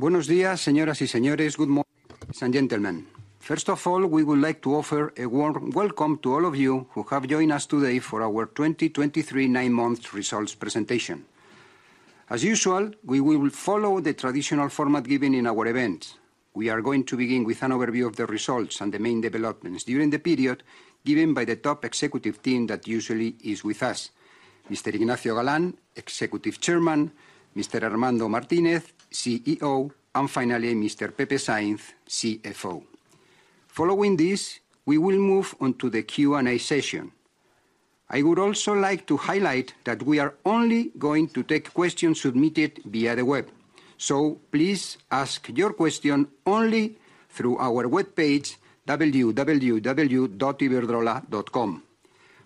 Buenos días, señoras y señores. Good morning, ladies and gentlemen. First of all, we would like to offer a warm welcome to all of you who have joined us today for our 2023 9-month results presentation. As usual, we will follow the traditional format given in our events. We are going to begin with an overview of the results and the main developments during the period, given by the top executive team that usually is with us: Mr. Ignacio Galán, Executive Chairman, Mr. Armando Martínez, CEO, and finally, Mr. Pepe Sainz, CFO. Following this, we will move on to the Q&A session. I would also like to highlight that we are only going to take questions submitted via the web, so please ask your question only through our webpage, www.iberdrola.com.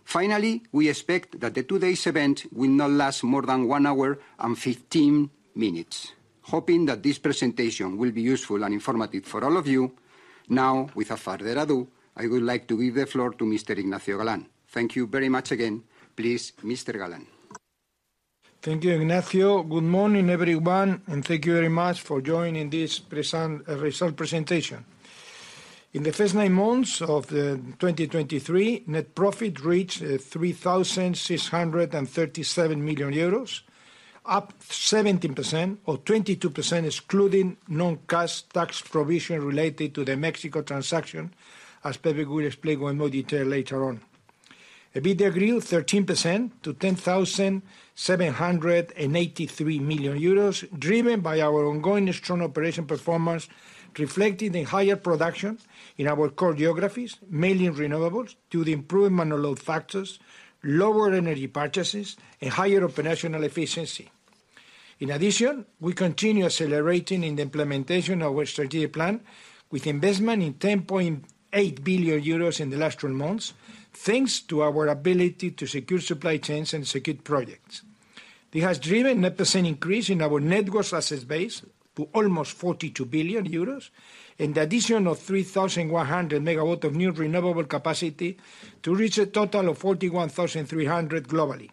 Finally, we expect that today's event will not last more than 1 hour and 15 minutes. Hoping that this presentation will be useful and informative for all of you, now, without further ado, I would like to give the floor to Mr. Ignacio Galán. Thank you very much again. Please, Mr. Galán. Thank you, Ignacio. Good morning, everyone, and thank you very much for joining this presentation. In the first 9 months of 2023, net profit reached 3,637 million euros, up 17%, or 22% excluding non-cash tax provision related to the Mexico transaction, as Pepe will explain more detail later on. EBITDA grew 13% to 10,783 million euros, driven by our ongoing strong operation performance, reflecting the higher production in our core geographies, mainly in renewables, due to the improvement of load factors, lower energy purchases, and higher operational efficiency. In addition, we continue accelerating in the implementation of our strategic plan with investment in 10.8 billion euros in the last 12 months, thanks to our ability to secure supply chains and secure projects. This has driven a 1% increase in our net gross assets base to almost 42 billion euros, and the addition of 3,100 MW of new renewable capacity to reach a total of 41,300 globally.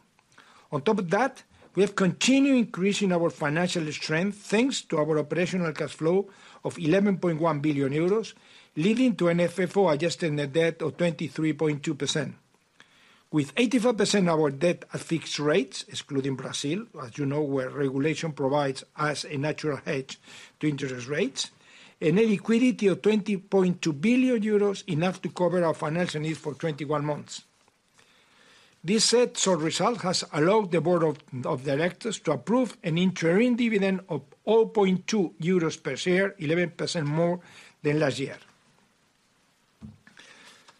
On top of that, we have continued increasing our financial strength, thanks to our operational cash flow of 11.1 billion euros, leading to an FFO adjusted net debt of 23.2%, with 85% of our debt at fixed rates, excluding Brazil, as you know, where regulation provides us a natural hedge to interest rates, and a liquidity of 20.2 billion euros, enough to cover our financial needs for 21 months. This set sort of result has allowed the board of directors to approve an interim dividend of 0.2 euros per share, 11% more than last year.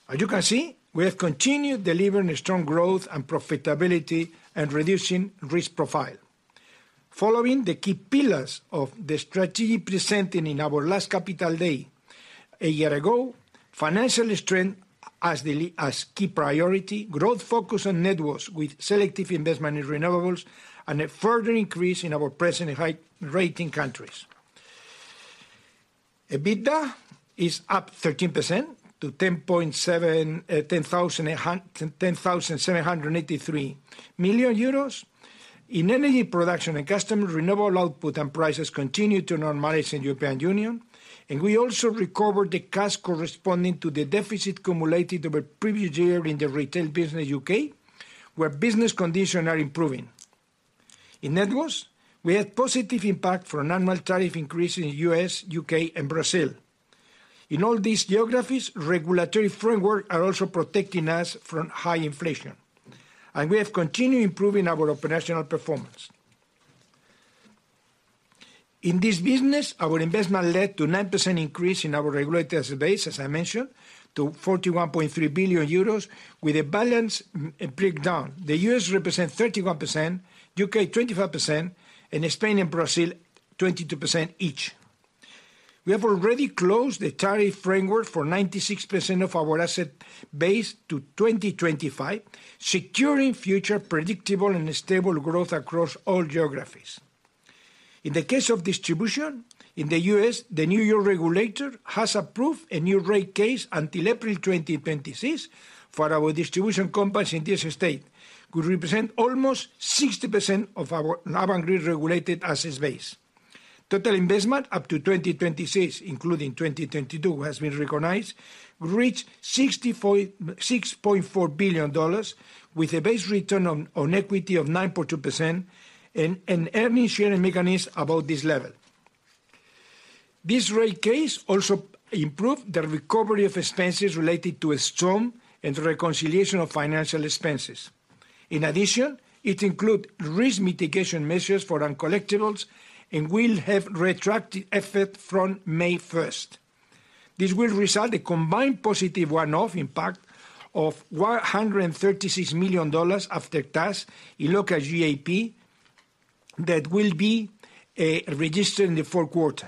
As you can see, we have continued delivering a strong growth and profitability and reducing risk profile. Following the key pillars of the strategy presented in our last capital day a year ago, financial strength as key priority, growth focus on networks with selective investment in renewables, and a further increase in our presence in high-rating countries. EBITDA is up 13% to 10,783 million euros. In energy production, customer renewable output and prices continue to normalize in European Union, and we also recovered the cost corresponding to the deficit accumulated over the previous year in the retail business in U.K., where business conditions are improving. In networks, we had positive impact from annual tariff increase in the U.S., U.K., and Brazil. In all these geographies, regulatory framework are also protecting us from high inflation, and we have continued improving our operational performance. In this business, our investment led to 9% increase in our regulatory asset base, as I mentioned, to 41.3 billion euros, with a balance breakdown. The U.S. represents 31%, U.K., 25%, and Spain and Brazil, 22% each. We have already closed the tariff framework for 96% of our asset base to 2025, securing future predictable and stable growth across all geographies. In the case of distribution, in the U.S., the New York regulator has approved a new rate case until April 2026 for our distribution companies in this state, who represent almost 60% of our Avangrid regulated assets base. Total investment up to 2026, including 2022, has been recognized, reached $66.4 billion, with a base return on equity of 9.2% and an earnings sharing mechanism above this level. This rate case also improved the recovery of expenses related to a storm and the reconciliation of financial expenses. In addition, it include risk mitigation measures for uncollectibles, and will have retroactive effect from May first. This will result a combined positive one-off impact of $136 million after tax in local GAAP, that will be registered in the fourth quarter.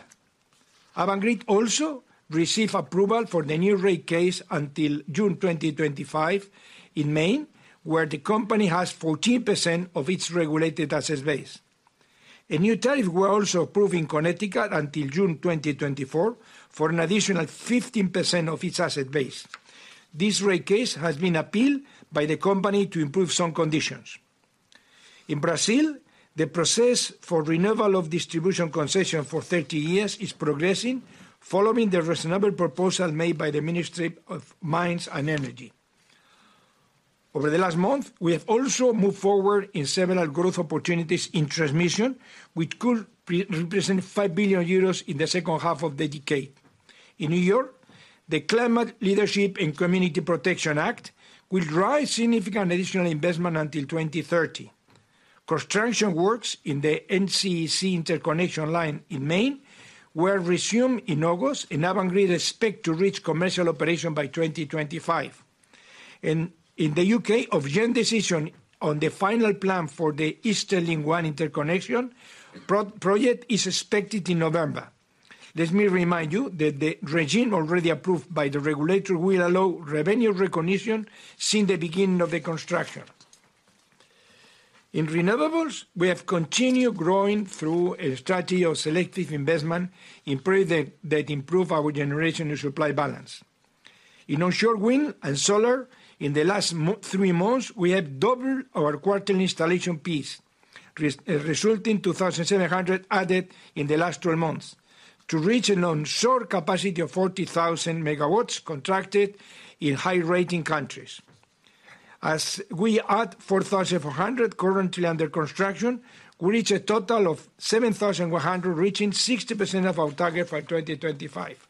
Avangrid also receive approval for the new rate case until June 2025 in Maine, where the company has 14% of its regulated asset base. A new tariff were also approved in Connecticut until June 2024, for an additional 15% of its asset base. This rate case has been appealed by the company to improve some conditions. In Brazil, the process for renewal of distribution concession for 30 years is progressing, following the reasonable proposal made by the Ministry of Mines and Energy. Over the last month, we have also moved forward in several growth opportunities in transmission, which could pre-represent 5 billion euros in the second half of the decade. In New York, the Climate Leadership and Community Protection Act will drive significant additional investment until 2030. Construction works in the NECEC interconnection line in Maine were resumed in August, and now agreed, expect to reach commercial operation by 2025. And in the UK, a joint decision on the final plan for the Eastern Link One interconnection project is expected in November. Let me remind you that the regime already approved by the regulator will allow revenue recognition since the beginning of the construction. In renewables, we have continued growing through a strategy of selective investment in project that improve our generation and supply balance. In onshore wind and solar, in the last three months, we have doubled our quarterly installation pace, resulting 2,700 added in the last twelve months, to reach an onshore capacity of 40,000 MW contracted in high-rating countries. As we add 4,400 currently under construction, we reach a total of 7,100, reaching 60% of our target by 2025.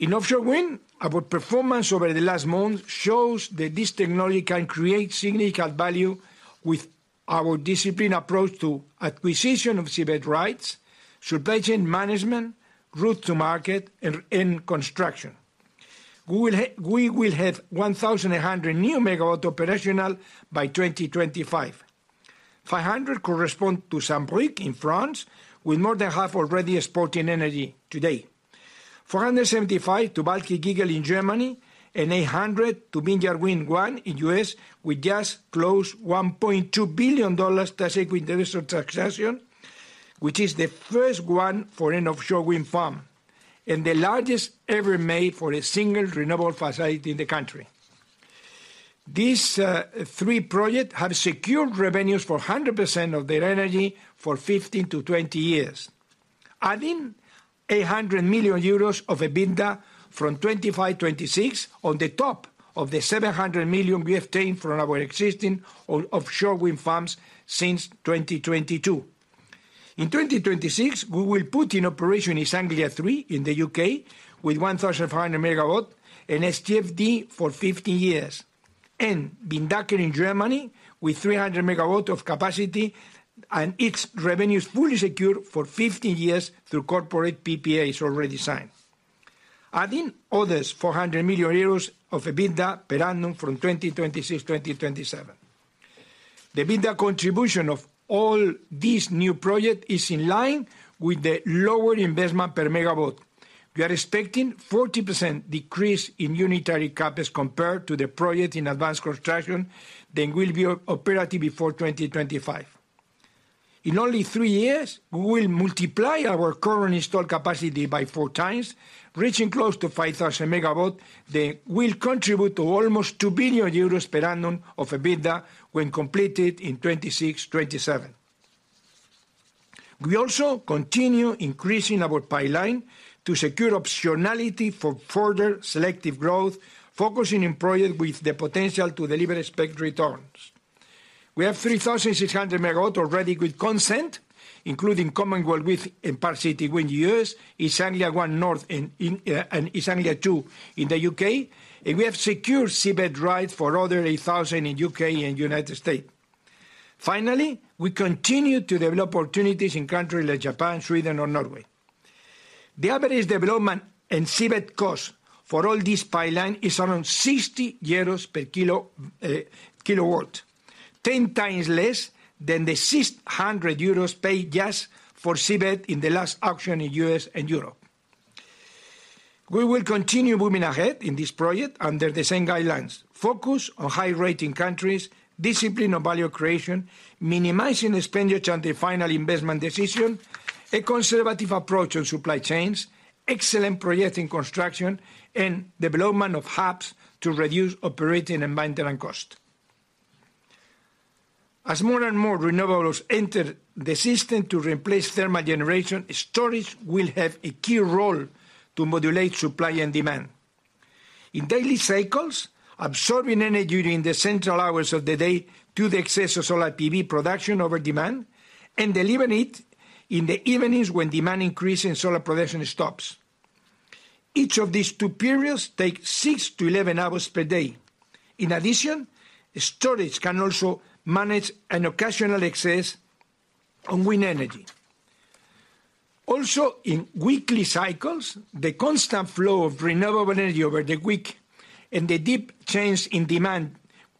In offshore wind, our performance over the last month shows that this technology can create significant value with our disciplined approach to acquisition of seabed rights, supply chain management, route to market, and construction. We will have 1,800 new megawatt operational by 2025. 500 correspond to Saint-Brieuc in France, with more than half already exporting energy today. 475 to Baltic Eagle in Germany, and 800 to Vineyard Wind 1 in U.S., we just closed $1.2 billion tax equity transaction, which is the first one for an offshore wind farm, and the largest ever made for a single renewable facility in the country. These three projects have secured revenues for 100% of their energy for 15-20 years, adding 800 million euros of EBITDA from 2025-2026, on top of the 700 million we have taken from our existing offshore wind farms since 2022. In 2026, we will put in operation East Anglia Three in the U.K., with 1,400 MW and CFD for 15 years, and Windanker in Germany, with 300 MW of capacity, and its revenue is fully secured for 15 years through corporate PPAs already signed. Adding orders, 400 million euros of EBITDA per annum from 2026-2027. The EBITDA contribution of all these new projects is in line with the lower investment per megawatt. We are expecting 40% decrease in unitary CapEx compared to the project in advanced construction, then will be operative before 2025. In only 3 years, we will multiply our current installed capacity by 4 times, reaching close to 5,000 MW, that will contribute to almost 2 billion euros per annum of EBITDA when completed in 2026, 2027. We also continue increasing our pipeline to secure optionality for further selective growth, focusing on projects with the potential to deliver expected returns. We have 3,600 MW already with consent, including Commonwealth Wind and Park City Wind in the U.S., East Anglia One North and East Anglia Two in the U.K., and we have secured seabed rights for other 8,000 in U.K. and United States. Finally, we continue to develop opportunities in countries like Japan, Sweden, or Norway. The average development and seabed cost for all this pipeline is around 60 euros per kW, 10 times less than the 600 euros paid just for seabed in the last auction in the U.S. and Europe. We will continue moving ahead in this project under the same guidelines: focus on high-rating countries, discipline on value creation, minimizing expenditure on the final investment decision, a conservative approach on supply chains, excellent projects in construction, and development of hubs to reduce operating and maintenance costs. As more and more renewables enter the system to replace thermal generation, storage will have a key role to modulate supply and demand. In daily cycles, absorbing energy during the central hours of the day to the excess of solar PV production over demand, and delivering it in the evenings when demand increases and solar production stops. Each of these two periods take 6-11 hours per day. In addition, storage can also manage an occasional excess on wind energy. Also, in weekly cycles, the constant flow of renewable energy over the week, and the deep change in demand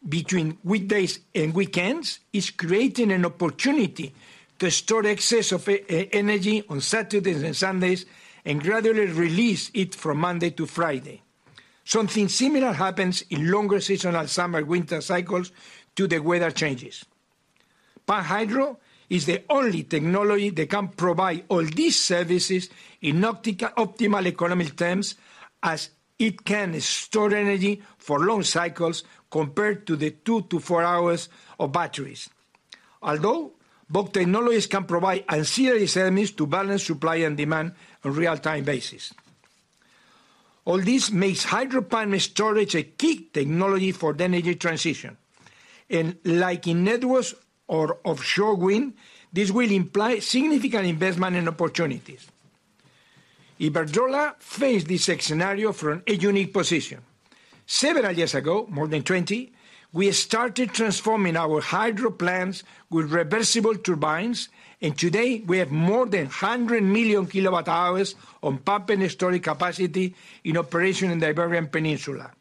between weekdays and weekends, is creating an opportunity to store excess of energy on Saturdays and Sundays, and gradually release it from Monday to Friday. Something similar happens in longer seasonal summer/winter cycles to the weather changes. Pumped hydro is the only technology that can provide all these services in optimal economic terms, as it can store energy for long cycles compared to the 2-4 hours of batteries. Although, both technologies can provide ancillary services to balance supply and demand on real-time basis. All this makes hydropower storage a key technology for the energy transition, and like in networks or offshore wind, this will imply significant investment and opportunities. Iberdrola face this scenario from a unique position. Several years ago, more than 20, we started transforming our hydro plants with reversible turbines, and today we have more than 100 million kWh on pump and storage capacity in operation in the Iberian Peninsula,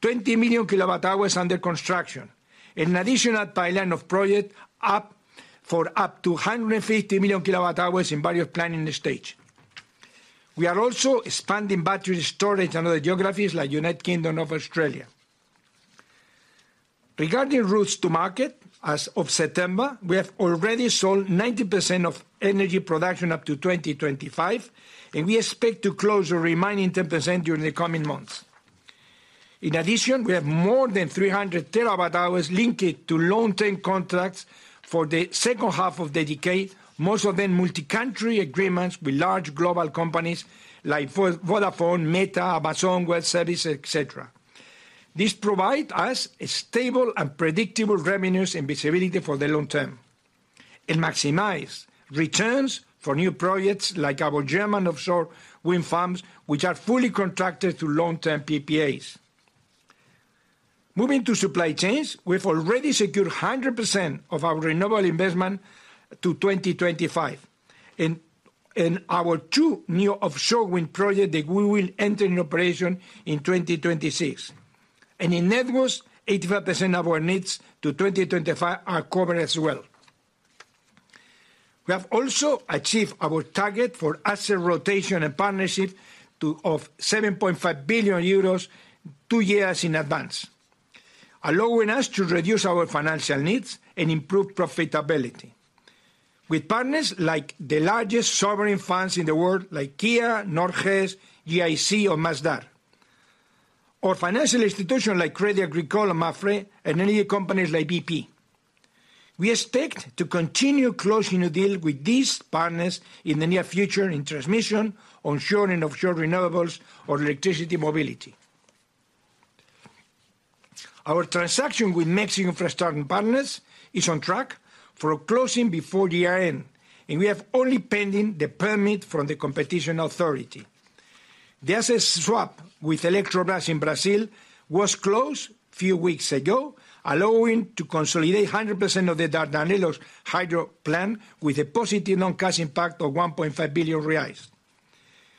20 million kWh under construction, and an additional pipeline of project up for up to 150 million kWh in various planning stage. We are also expanding battery storage in other geographies, like United Kingdom and Australia. Regarding routes to market, as of September, we have already sold 90% of energy production up to 2025, and we expect to close the remaining 10% during the coming months. In addition, we have more than 300 TWh linked to long-term contracts for the second half of the decade, most of them multi-country agreements with large global companies like Vodafone, Meta, Amazon Web Services, et cetera. This provide us a stable and predictable revenues and visibility for the long term, and maximize returns for new projects like our German offshore wind farms, which are fully contracted to long-term PPAs. Moving to supply chains, we've already secured 100% of our renewable investment to 2025, and our two new offshore wind project that we will enter in operation in 2026. In networks, 85% of our needs to 2025 are covered as well. We have also achieved our target for asset rotation and partnership to, of 7.5 billion euros two years in advance, allowing us to reduce our financial needs and improve profitability. With partners like the largest sovereign funds in the world, like KIA, Norges, GIC, or Masdar, or financial institutions like Crédit Agricole and MAPFRE, and energy companies like BP. We expect to continue closing a deal with these partners in the near future in transmission, onshore and offshore renewables or electricity mobility. Our transaction with Mexican Infrastructure Partners is on track for closing before the year end, and we have only pending the permit from the competition authority. The asset swap with Eletrobras in Brazil was closed few weeks ago, allowing to consolidate 100% of the Dardanelos hydro plant with a positive non-cash impact of 1.5 billion reais.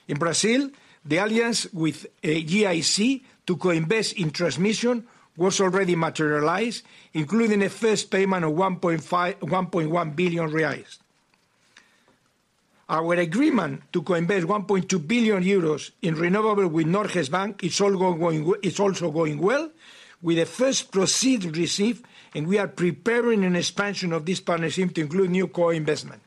In Brazil, the alliance with GIC to co-invest in transmission was already materialized, including a first payment of 1.1 billion reais. Our agreement to co-invest 1.2 billion euros in renewable with Norges Bank is also going well, with the first proceeds received, and we are preparing an expansion of this partnership to include new co-investment.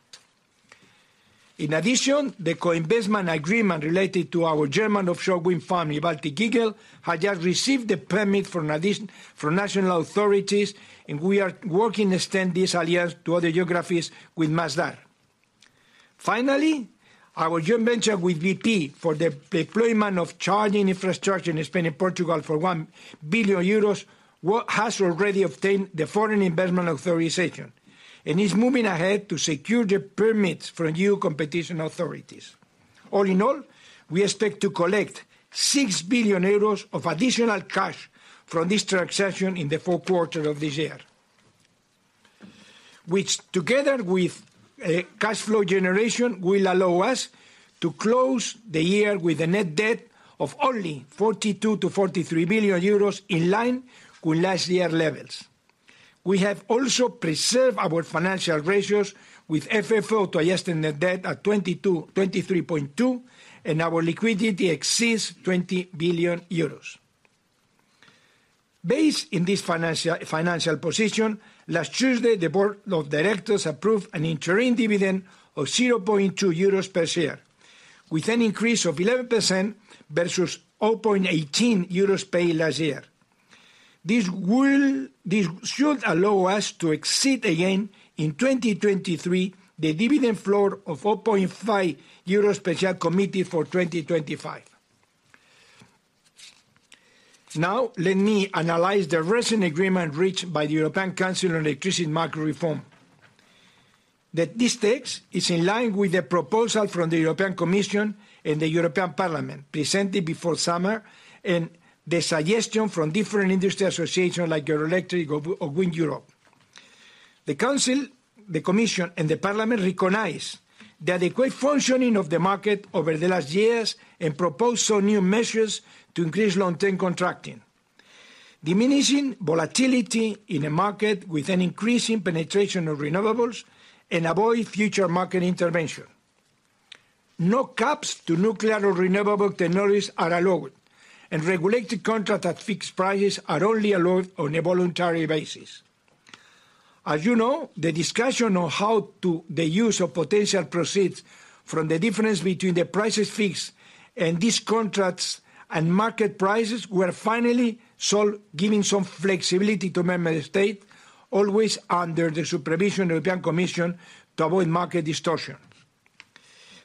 In addition, the co-investment agreement related to our German offshore wind farm, Baltic Eagle, has just received the permit from national authorities, and we are working to extend this alliance to other geographies with Masdar. Finally, our joint venture with BP for the deployment of charging infrastructure in Spain and Portugal for 1 billion euros has already obtained the foreign investment authorization, and is moving ahead to secure the permits from new competition authorities. All in all, we expect to collect 6 billion euros of additional cash from this transaction in the fourth quarter of this year, which, together with, cash flow generation, will allow us to close the year with a net debt of only 42 billion-43 billion euros, in line with last year levels. We have also preserved our financial ratios with FFO to adjusted net debt at 22-23.2, and our liquidity exceeds 20 billion euros. Based in this financial position, last Tuesday, the board of directors approved an interim dividend of 0.2 euros per share, with an increase of 11% versus 0.18 euros paid last year. This should allow us to exceed again in 2023, the dividend floor of 4.5 euros per share committed for 2025. Now, let me analyze the recent agreement reached by the European Council on Electricity Macro Reform. The, this text is in line with the proposal from the European Commission and the European Parliament, presented before summer, and the suggestion from different industry associations like Eurelectric or WindEurope. The Council, the Commission, and the Parliament recognize that the correct functioning of the market over the last years and propose some new measures to increase long-term contracting, diminishing volatility in the market with an increasing penetration of renewables and avoid future market intervention. No caps to nuclear or renewable technologies are allowed, and regulated contract at fixed prices are only allowed on a voluntary basis. As you know, the discussion on how to the use of potential proceeds from the difference between the prices fixed and these contracts and market prices were finally solved, giving some flexibility to member state, always under the supervision of European Commission to avoid market distortion.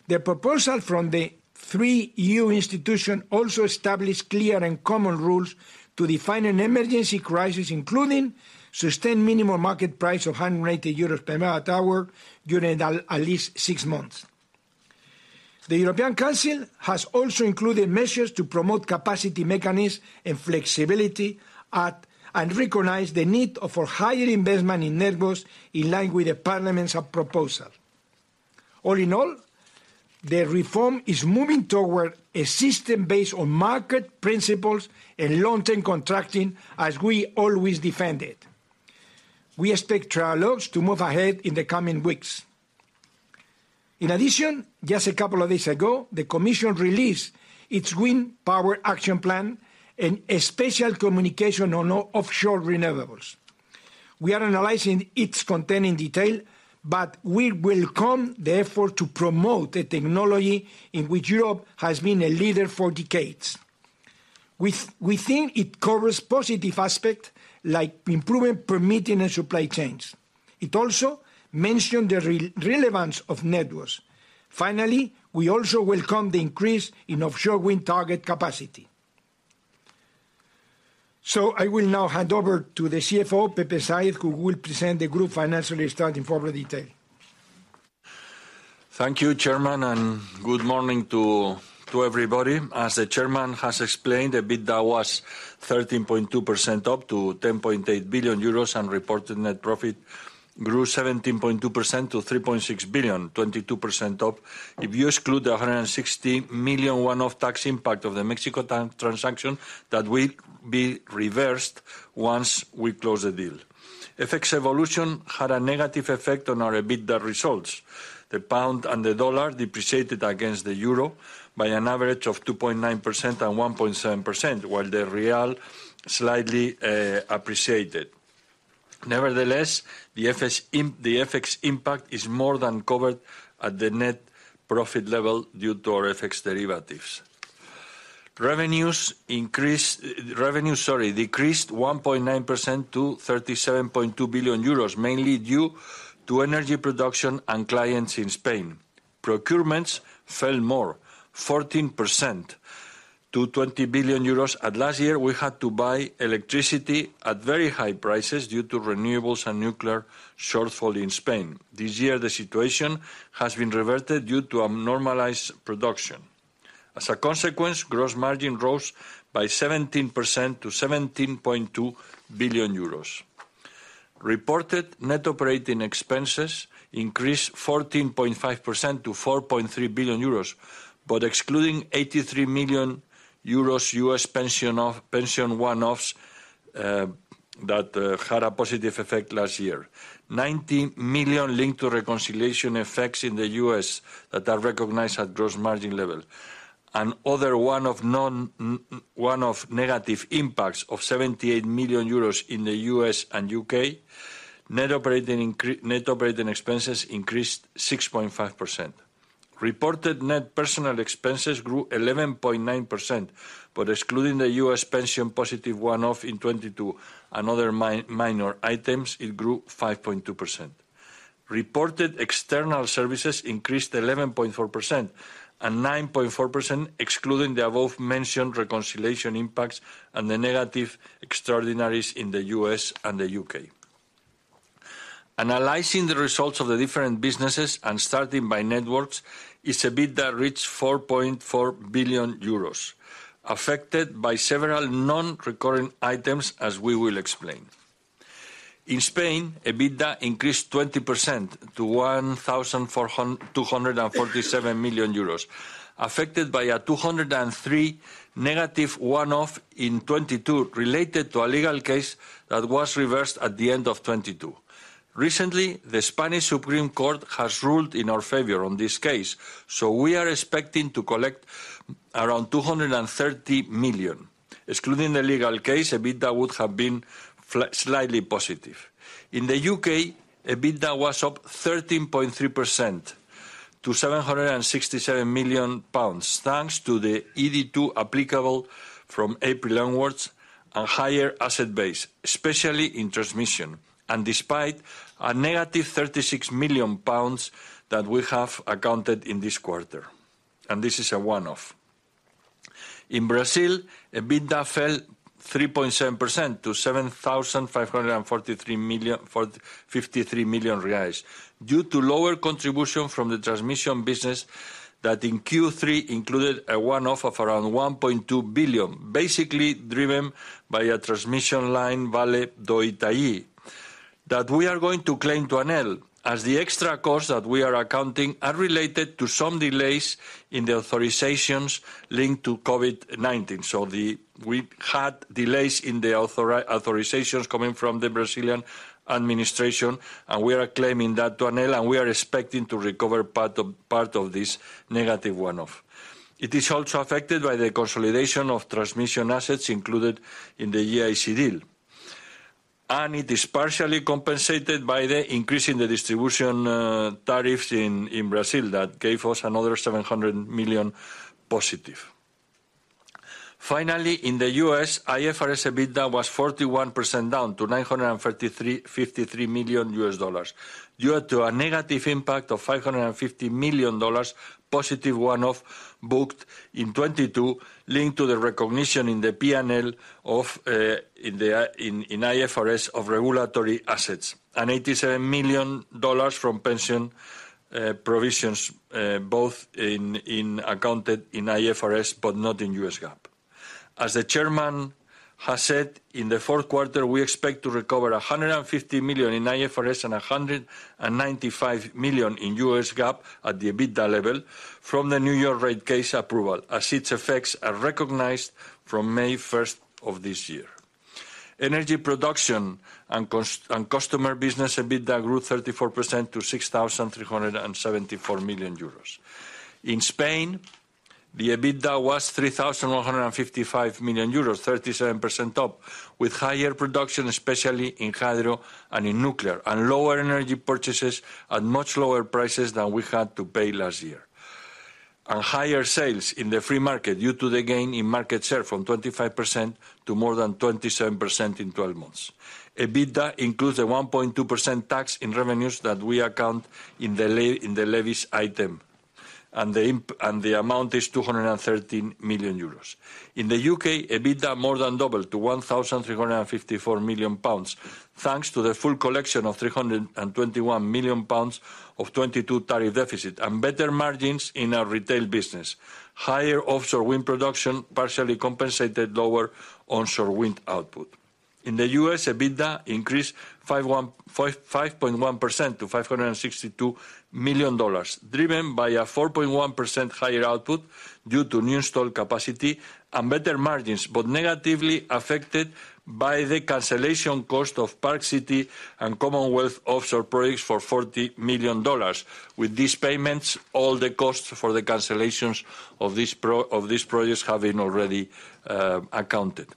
The proposal from the three EU institution also established clear and common rules to define an emergency crisis, including sustained minimum market price of 180 euros per megawatt hour during at least six months. The European Council has also included measures to promote capacity mechanisms and flexibility, and recognize the need of a higher investment in networks, in line with the Parliament's proposal. All in all, the reform is moving toward a system based on market principles and long-term contracting, as we always defended. We expect trilogues to move ahead in the coming weeks. In addition, just a couple of days ago, the Commission released its Green Power Action Plan and a special communication on offshore renewables. We are analyzing its content in detail, but we welcome the effort to promote a technology in which Europe has been a leader for decades. We think it covers positive aspect, like improving, permitting and supply chains. It also mentioned the relevance of networks. Finally, we also welcome the increase in offshore wind target capacity. So I will now hand over to the CFO, Pepe Sáinz, who will present the group financial starting forward in detail. Thank you, Chairman, and good morning to everybody. As the Chairman has explained, the EBITDA was 13.2% up to 10.8 billion euros, and reported net profit grew 17.2% to 3.6 billion, 22% up. If you exclude the 160 million one-off tax impact of the Mexico transaction, that will be reversed once we close the deal. FX evolution had a negative effect on our EBITDA results. The pound and the dollar depreciated against the euro by an average of 2.9% and 1.7%, while the real slightly appreciated. Nevertheless, the FX impact is more than covered at the net profit level due to our FX derivatives. Revenues decreased 1.9% to 37.2 billion euros, mainly due to energy production and clients in Spain. Procurements fell more, 14% to 20 billion euros, and last year we had to buy electricity at very high prices due to renewables and nuclear shortfall in Spain. This year, the situation has been reverted due to a normalized production. As a consequence, gross margin rose by 17% to 17.2 billion euros. Reported net operating expenses increased 14.5% to 4.3 billion euros, but excluding 83 million euros U.S. pension one-offs that had a positive effect last year. 90 million linked to reconciliation effects in the U.S. that are recognized at gross margin level, and the other one of non-recurring negative impacts of 78 million euros in the U.S. and U.K., net operating expenses increased 6.5%. Reported net personnel expenses grew 11.9%, but excluding the U.S. pension positive one-off in 2022 and other minor items, it grew 5.2%. Reported external services increased 11.4%, and 9.4%, excluding the above-mentioned reconciliation impacts and the negative extraordinaries in the U.S. and the U.K. Analyzing the results of the different businesses and starting by networks, its EBITDA reached 4.4 billion EUR, affected by several non-recurring items, as we will explain. In Spain, EBITDA increased 20% to 1,447 million euros, affected by a negative EUR 203 million one-off in 2022, related to a legal case that was reversed at the end of 2022. Recently, the Spanish Supreme Court has ruled in our favor on this case, so we are expecting to collect around 230 million. Excluding the legal case, EBITDA would have been slightly positive. In the UK, EBITDA was up 13.3% to 767 million pounds, thanks to the ED2 applicable from April onwards and higher asset base, especially in transmission, and despite a negative 36 million pounds that we have accounted in this quarter, and this is a one-off. In Brazil, EBITDA fell 3.7% to 7,543 million reais, due to lower contribution from the transmission business, that in Q3 included a one-off of around 1.2 billion, basically driven by a transmission line, Vale do Taquari, that we are going to claim to Enel, as the extra costs that we are accounting are related to some delays in the authorizations linked to COVID-19. So we've had delays in the authorizations coming from the Brazilian administration, and we are claiming that to Enel, and we are expecting to recover part of this negative one-off. It is also affected by the consolidation of transmission assets included in the GIC deal, and it is partially compensated by the increase in the distribution tariffs in Brazil that gave us another 700 million positive. Finally, in the US, IFRS EBITDA was 41%, down to $953 million, due to a negative impact of $550 million positive one-off, booked in 2022, linked to the recognition in the P&L of in IFRS of regulatory assets, and $87 million from pension provisions, both in accounted in IFRS, but not in US GAAP. As the chairman has said, in the fourth quarter, we expect to recover 150 million in IFRS and 195 million in US GAAP at the EBITDA level from the New York rate case approval, as its effects are recognized from May 1st of this year. Energy production and customer business EBITDA grew 34% to EUR 6,374 million. In Spain, the EBITDA was EUR 3,155 million, 37% up, with higher production, especially in hydro and in nuclear, and lower energy purchases at much lower prices than we had to pay last year. And higher sales in the free market due to the gain in market share from 25% to more than 27% in twelve months. EBITDA includes a 1.2% tax in revenues that we account in the levies item, and the amount is 213 million euros. In the UK, EBITDA more than doubled to 1,354 million pounds, thanks to the full collection of 321 million pounds of 2022 tariff deficit and better margins in our retail business. Higher offshore wind production partially compensated lower onshore wind output. In the US, EBITDA increased 51.5% to $562 million, driven by a 4.1 higher output due to new installed capacity and better margins, but negatively affected by the cancellation cost of Park City and Commonwealth offshore projects for $40 million. With these payments, all the costs for the cancellations of these projects have been already accounted.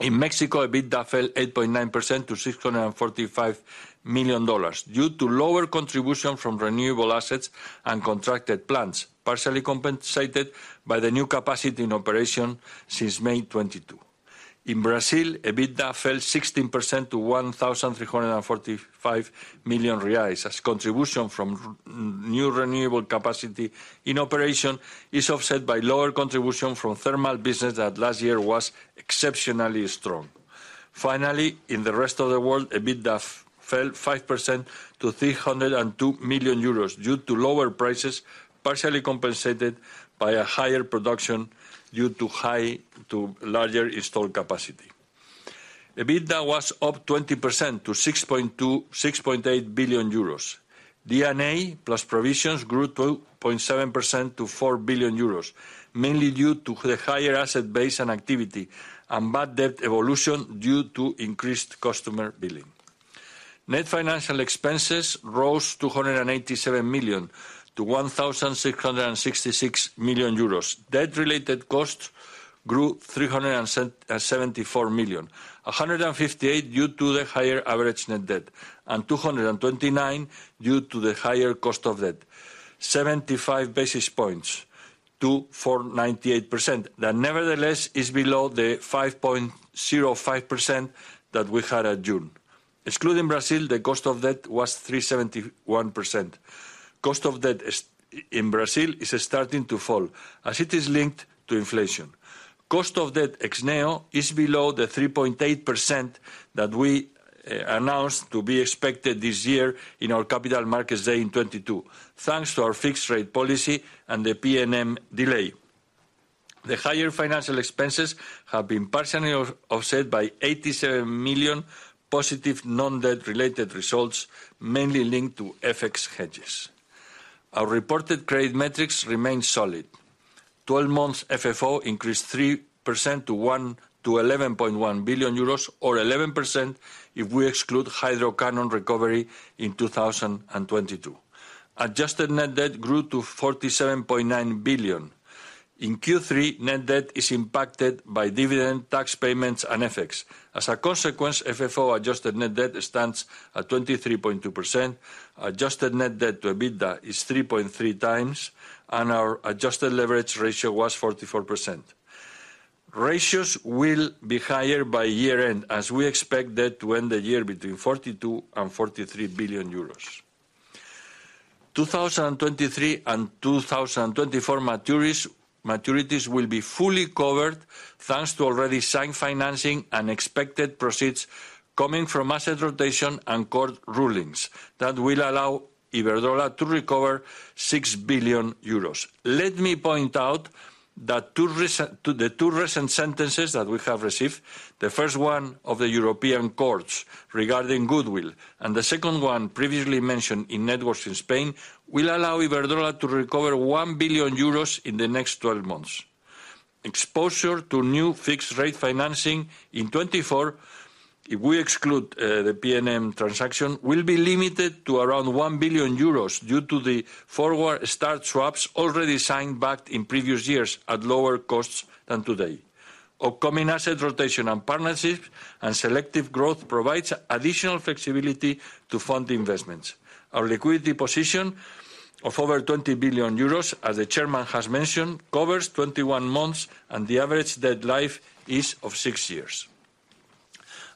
In Mexico, EBITDA fell 8.9% to $645 million due to lower contribution from renewable assets and contracted plants, partially compensated by the new capacity in operation since May 2022. In Brazil, EBITDA fell 16% to 1,345 million reais, as contribution from new renewable capacity in operation is offset by lower contribution from thermal business that last year was exceptionally strong. Finally, in the rest of the world, EBITDA fell 5% to 302 million euros due to lower prices, partially compensated by a higher production due to larger installed capacity. EBITDA was up 20% to 6.8 billion euros. EBITDA plus provisions grew 2.7% to 4 billion euros, mainly due to the higher asset base and activity, and bad debt evolution due to increased customer billing. Net financial expenses rose 287 million to 1,666 million euros. Debt-related costs grew 374 million, 158 due to the higher average net debt, and 229 due to the higher cost of debt. 75 basis points to 4.98%. That, nevertheless, is below the 5.05% that we had at June. Excluding Brazil, the cost of debt was 3.71%. Cost of debt in Brazil is starting to fall as it is linked to inflation. Cost of debt ex Neo is below the 3.8% that we announced to be expected this year in our capital markets day in 2022, thanks to our fixed rate policy and the PNM delay. The higher financial expenses have been partially offset by 87 million positive non-debt related results, mainly linked to FX hedges. Our reported credit metrics remain solid. 12 months FFO increased 3% to 11.1 billion euros, or 11% if we exclude Hydro Canon recovery in 2022. Adjusted net debt grew to 47.9 billion. In Q3, net debt is impacted by dividend tax payments and FX. As a consequence, FFO adjusted net debt stands at 23.2%, adjusted net debt to EBITDA is 3.3 times, and our adjusted leverage ratio was 44%. Ratios will be higher by year-end, as we expect debt to end the year between 42 billion and 43 billion euros. 2023 and 2024 maturities will be fully covered, thanks to already signed financing and expected proceeds coming from asset rotation and court rulings that will allow Iberdrola to recover 6 billion euros. Let me point out that two recent sentences that we have received, the first one of the European courts regarding goodwill, and the second one, previously mentioned in networks in Spain, will allow Iberdrola to recover 1 billion euros in the next 12 months. Exposure to new fixed-rate financing in 2024, if we exclude the PNM transaction, will be limited to around 1 billion euros due to the forward start swaps already signed back in previous years at lower costs than today. Upcoming asset rotation and partnerships and selective growth provides additional flexibility to fund investments. Our liquidity position of over 20 billion euros, as the chairman has mentioned, covers 21 months, and the average debt life is of 6 years.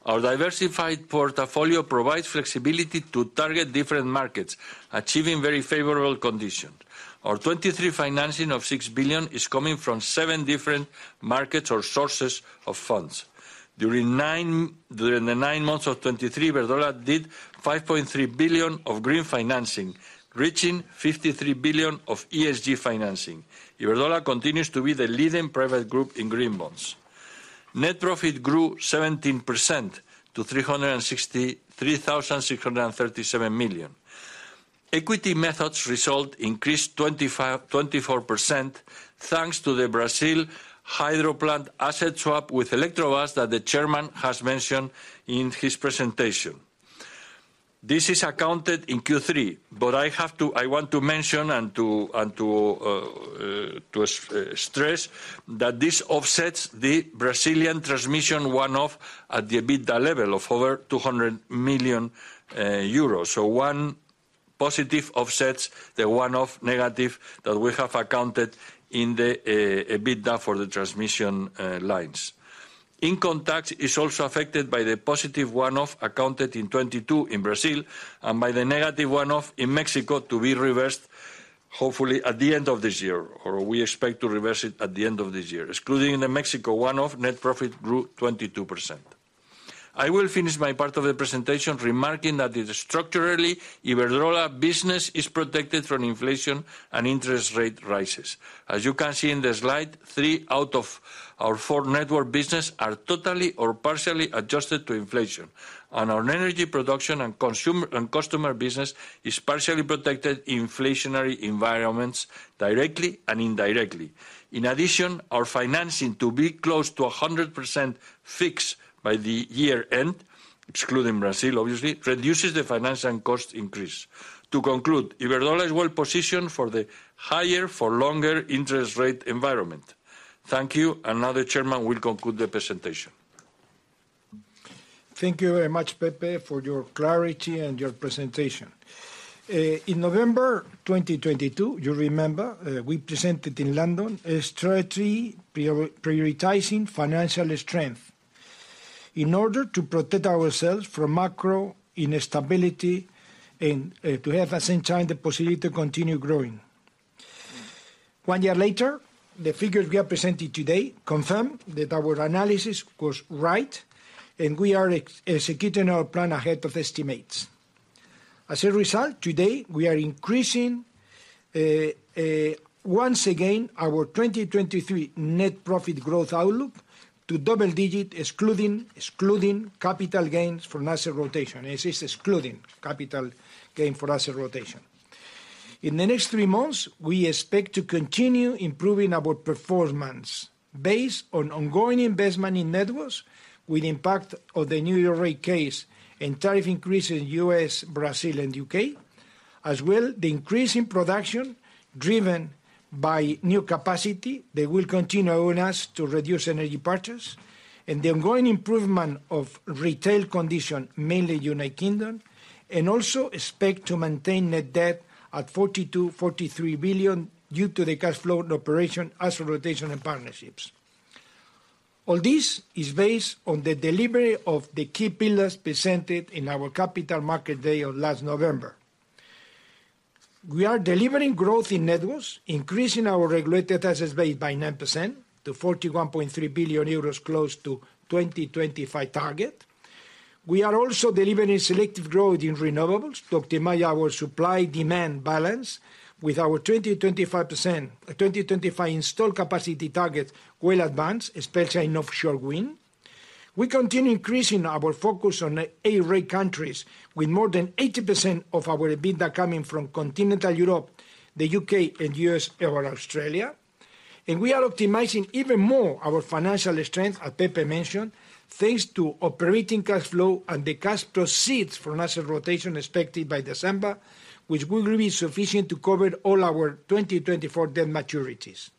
Our diversified portfolio provides flexibility to target different markets, achieving very favorable conditions. Our 2023 financing of 6 billion is coming from 7 different markets or sources of funds. During the 9 months of 2023, Iberdrola did 5.3 billion of green financing, reaching 53 billion of ESG financing. Iberdrola continues to be the leading private group in green bonds. Net profit grew 17% to 363.637 million. Equity methods result increased 25.24%, thanks to the Brazil hydroplant asset swap with Eletronuclear that the chairman has mentioned in his presentation. This is accounted in Q3, but I want to mention and stress that this offsets the Brazilian transmission one-off at the EBITDA level of over 200 million euros. So one positive offsets the one-off negative that we have accounted in the EBITDA for the transmission lines. In contrast is also affected by the positive one-off, accounted in 2022 in Brazil, and by the negative one-off in Mexico to be reversed, hopefully, at the end of this year, or we expect to reverse it at the end of this year. Excluding the Mexico one-off, net profit grew 22%. I will finish my part of the presentation remarking that structurally, Iberdrola business is protected from inflation and interest rate rises. As you can see in the slide, three out of our four network business are totally or partially adjusted to inflation, and our energy production and consumption and customer business is partially protected in inflationary environments, directly and indirectly. In addition, our financing to be close to 100% fixed by the year end, excluding Brazil, obviously, reduces the financial and cost increase. To conclude, Iberdrola is well positioned for the higher-for-longer interest rate environment. Thank you, and now the chairman will conclude the presentation. Thank you very much, Pepe, for your clarity and your presentation. In November 2022, you remember, we presented in London a strategy prioritizing financial strength in order to protect ourselves from macro instability and, to have, at same time, the possibility to continue growing. One year later, the figures we are presenting today confirm that our analysis was right, and we are executing our plan ahead of estimates. As a result, today, we are increasing, once again, our 2023 net profit growth outlook to double digit, excluding capital gains from asset rotation. This is excluding capital gain for asset rotation. In the next three months, we expect to continue improving our performance based on ongoing investment in networks, with impact of the new rate case and tariff increase in U.S., Brazil, and U.K. As well, the increase in production, driven by new capacity, they will continue on us to reduce energy purchase and the ongoing improvement of retail condition, mainly United Kingdom, and also expect to maintain net debt at 42 billion-43 billion due to the cash flow and operation, asset rotation, and partnerships. All this is based on the delivery of the key pillars presented in our Capital Markets Day of last November. We are delivering growth in networks, increasing our regulated assets base by 9% to 41.3 billion euros, close to 2025 target. We are also delivering selective growth in renewables to optimize our supply-demand balance with our 20%-25%... 2025 installed capacity target well advanced, especially in offshore wind. We continue increasing our focus on A-rate countries with more than 80% of our EBITDA coming from continental Europe, the U.K., and U.S., or Australia. We are optimizing even more our financial strength, as Pepe mentioned, thanks to operating cash flow and the cash proceeds from asset rotation expected by December, which will be sufficient to cover all our 2024 debt maturities.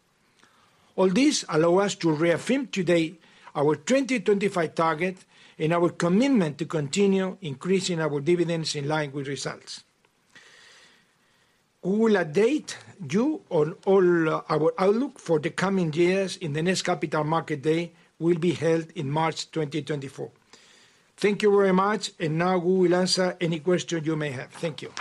All this allow us to reaffirm today our 2025 target and our commitment to continue increasing our dividends in line with results. We will update you on all our outlook for the coming years in the next capital market day, will be held in March 2024.... Thank you very much, and now we will answer any question you may have. Thank you.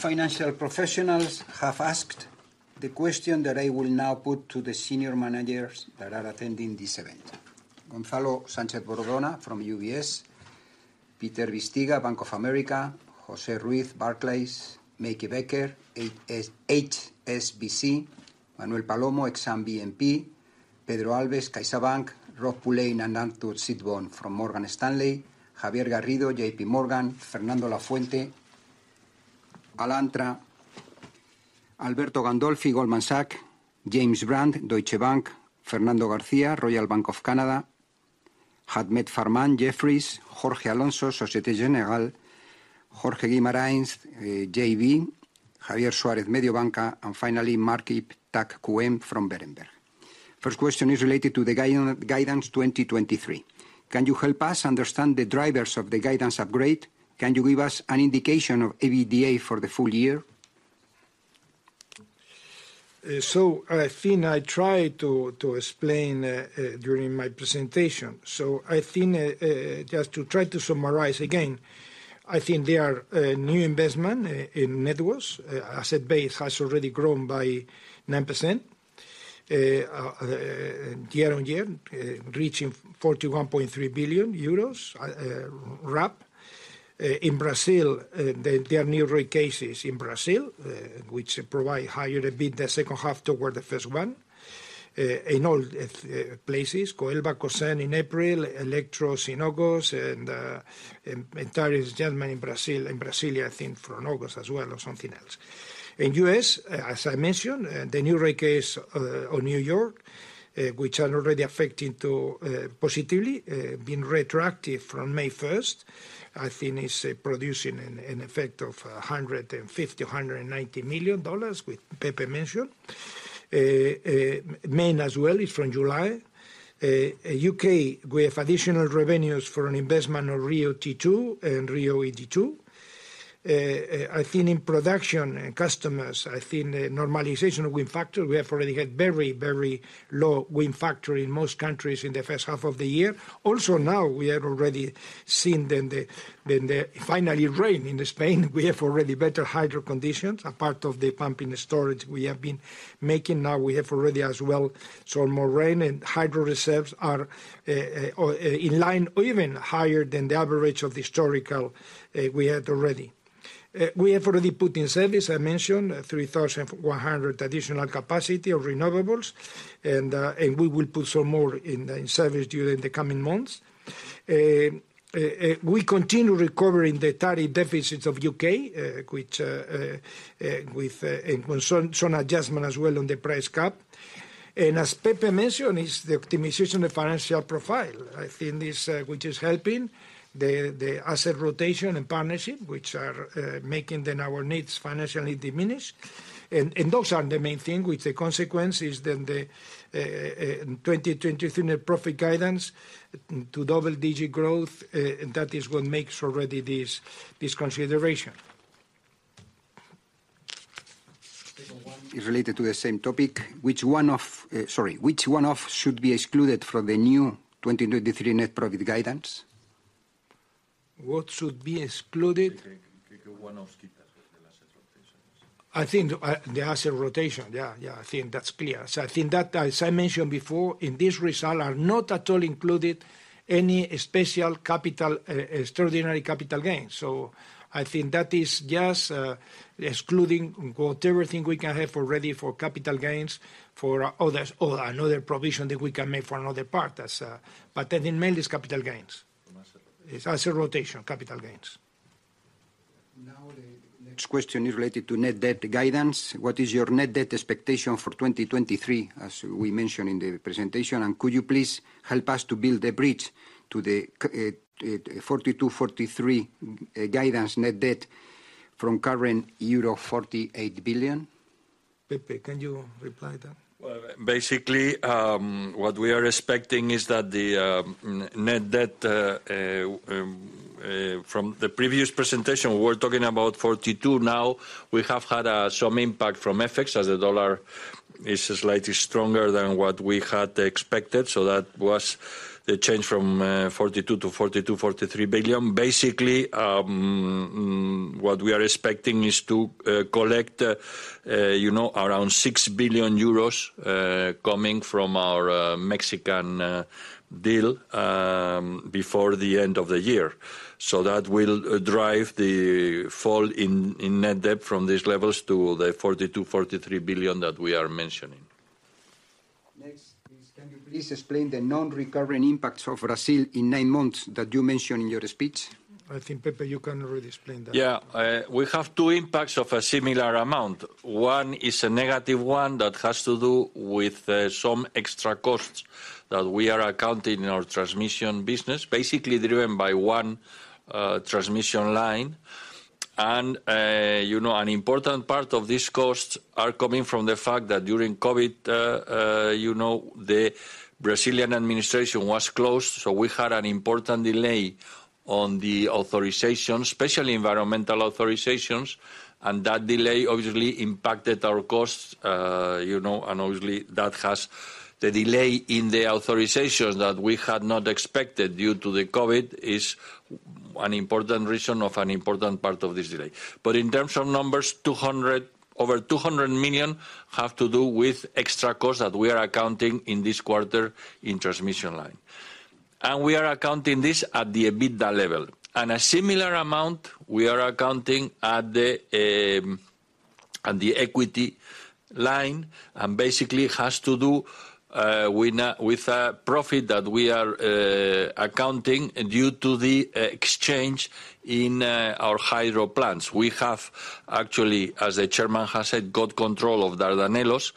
The financial professionals have asked the question that I will now put to the senior managers that are attending this event: Gonzalo Sánchez-Bordona from UBS, Peter Bisztyga, Bank of America, José Ruiz, Barclays, Mickey Becker, HSBC, Manuel Palomo, Exane BNP, Pedro Alves, CaixaBank, Rob Sherborne and Anton Sherborne from Morgan Stanley, Javier Garrido, J.P. Morgan, Fernando La Fuente, Alantra, Alberto Gandolfi, Goldman Sachs, James Brand, Deutsche Bank, Fernando García, Royal Bank of Canada, Ahmed Farman, Jefferies, Jorge Alonso, Société Générale, Jorge Guimarães, JB, Javier Suárez, Mediobanca, and finally, Marcin Takuem from Berenberg. First question is related to the guidance 2023. Can you help us understand the drivers of the guidance upgrade? Can you give us an indication of EBITDA for the full year? So I think I tried to explain during my presentation. So I think just to try to summarize again, I think there are new investment in networks. Asset base has already grown by 9% year-on-year, reaching EUR 41.3 billion roughly. In Brazil, there are new rate cases in Brazil, which provide higher EBITDA second half toward the first one. In all places, in April, Eletrobras in August, and in Brazil, in Brasília, I think from August as well, or something else. In US, as I mentioned, the new rate case on New York, which are already affecting positively, being retroactive from May first, I think it's producing an effect of $150 million-$190 million, which Pepe mentioned. Main as well is from July. UK, we have additional revenues for an investment on RIIO-T2 and RIIO-ED2. I think in production and customers, I think normalization wind factor, we have already had very, very low wind factor in most countries in the first half of the year. Also, now we have already seen then the, then the finally rain in Spain we have already better hydro conditions. A part of the pumped storage we have been making now, we have already as well, so more rain and hydro reserves are in line or even higher than the average of the historical we had already. We have already put in service, I mentioned, 3,100 additional capacity of renewables, and we will put some more in service during the coming months. We continue recovering the tariff deficits of UK, which with some adjustment as well on the price cap. And as Pepe mentioned, is the optimization of financial profile. I think this which is helping the asset rotation and partnership, which are making then our needs financially diminished. Those are the main thing with the consequences. Then the 2023 net profit guidance to double-digit growth, and that is what makes already this, this consideration. Is related to the same topic. Which one-off should be excluded from the new 2023 net profit guidance? What should be excluded? One-off. I think the asset rotation, I think that's clear. So I think that, as I mentioned before, in this result are not at all included any special capital, extraordinary capital gains. So I think that is just, excluding whatever thing we can have already for capital gains, for others, or another provision that we can make for another part, as, but I think mainly it's capital gains. Asset. It's asset rotation, capital gains. Now, the next question is related to net debt guidance. What is your net debt expectation for 2023, as we mentioned in the presentation? And could you please help us to build a bridge to the 42 billion-43 billion guidance net debt from current euro 48 billion? Pepe, can you reply that? Well, basically, what we are expecting is that the net debt from the previous presentation, we were talking about 42. Now, we have had some impact from FX, as the dollar is slightly stronger than what we had expected, so that was the change from 42 to EUR 42-EUR 43 billion. Basically, what we are expecting is to collect, you know, around 6 billion euros coming from our Mexican deal before the end of the year. So that will drive the fall in net debt from these levels to the 42-43 billion that we are mentioning. Next, please, can you please explain the non-recurring impacts of Brazil in nine months that you mentioned in your speech? I think, Pepe, you can already explain that. Yeah, we have two impacts of a similar amount. One is a negative one that has to do with, some extra costs that we are accounting in our transmission business, basically driven by one, transmission line... and, you know, an important part of this cost are coming from the fact that during COVID, you know, the Brazilian administration was closed, so we had an important delay on the authorization, especially environmental authorizations, and that delay obviously impacted our costs. You know, and obviously that has the delay in the authorizations that we had not expected due to the COVID is an important reason of an important part of this delay. But in terms of numbers, over 200 million have to do with extra costs that we are accounting in this quarter in transmission line. We are accounting this at the EBITDA level. A similar amount we are accounting at the equity line, and basically has to do with with a profit that we are accounting due to the exchange in our hydro plants. We have actually, as the chairman has said, got control of Dardanelos,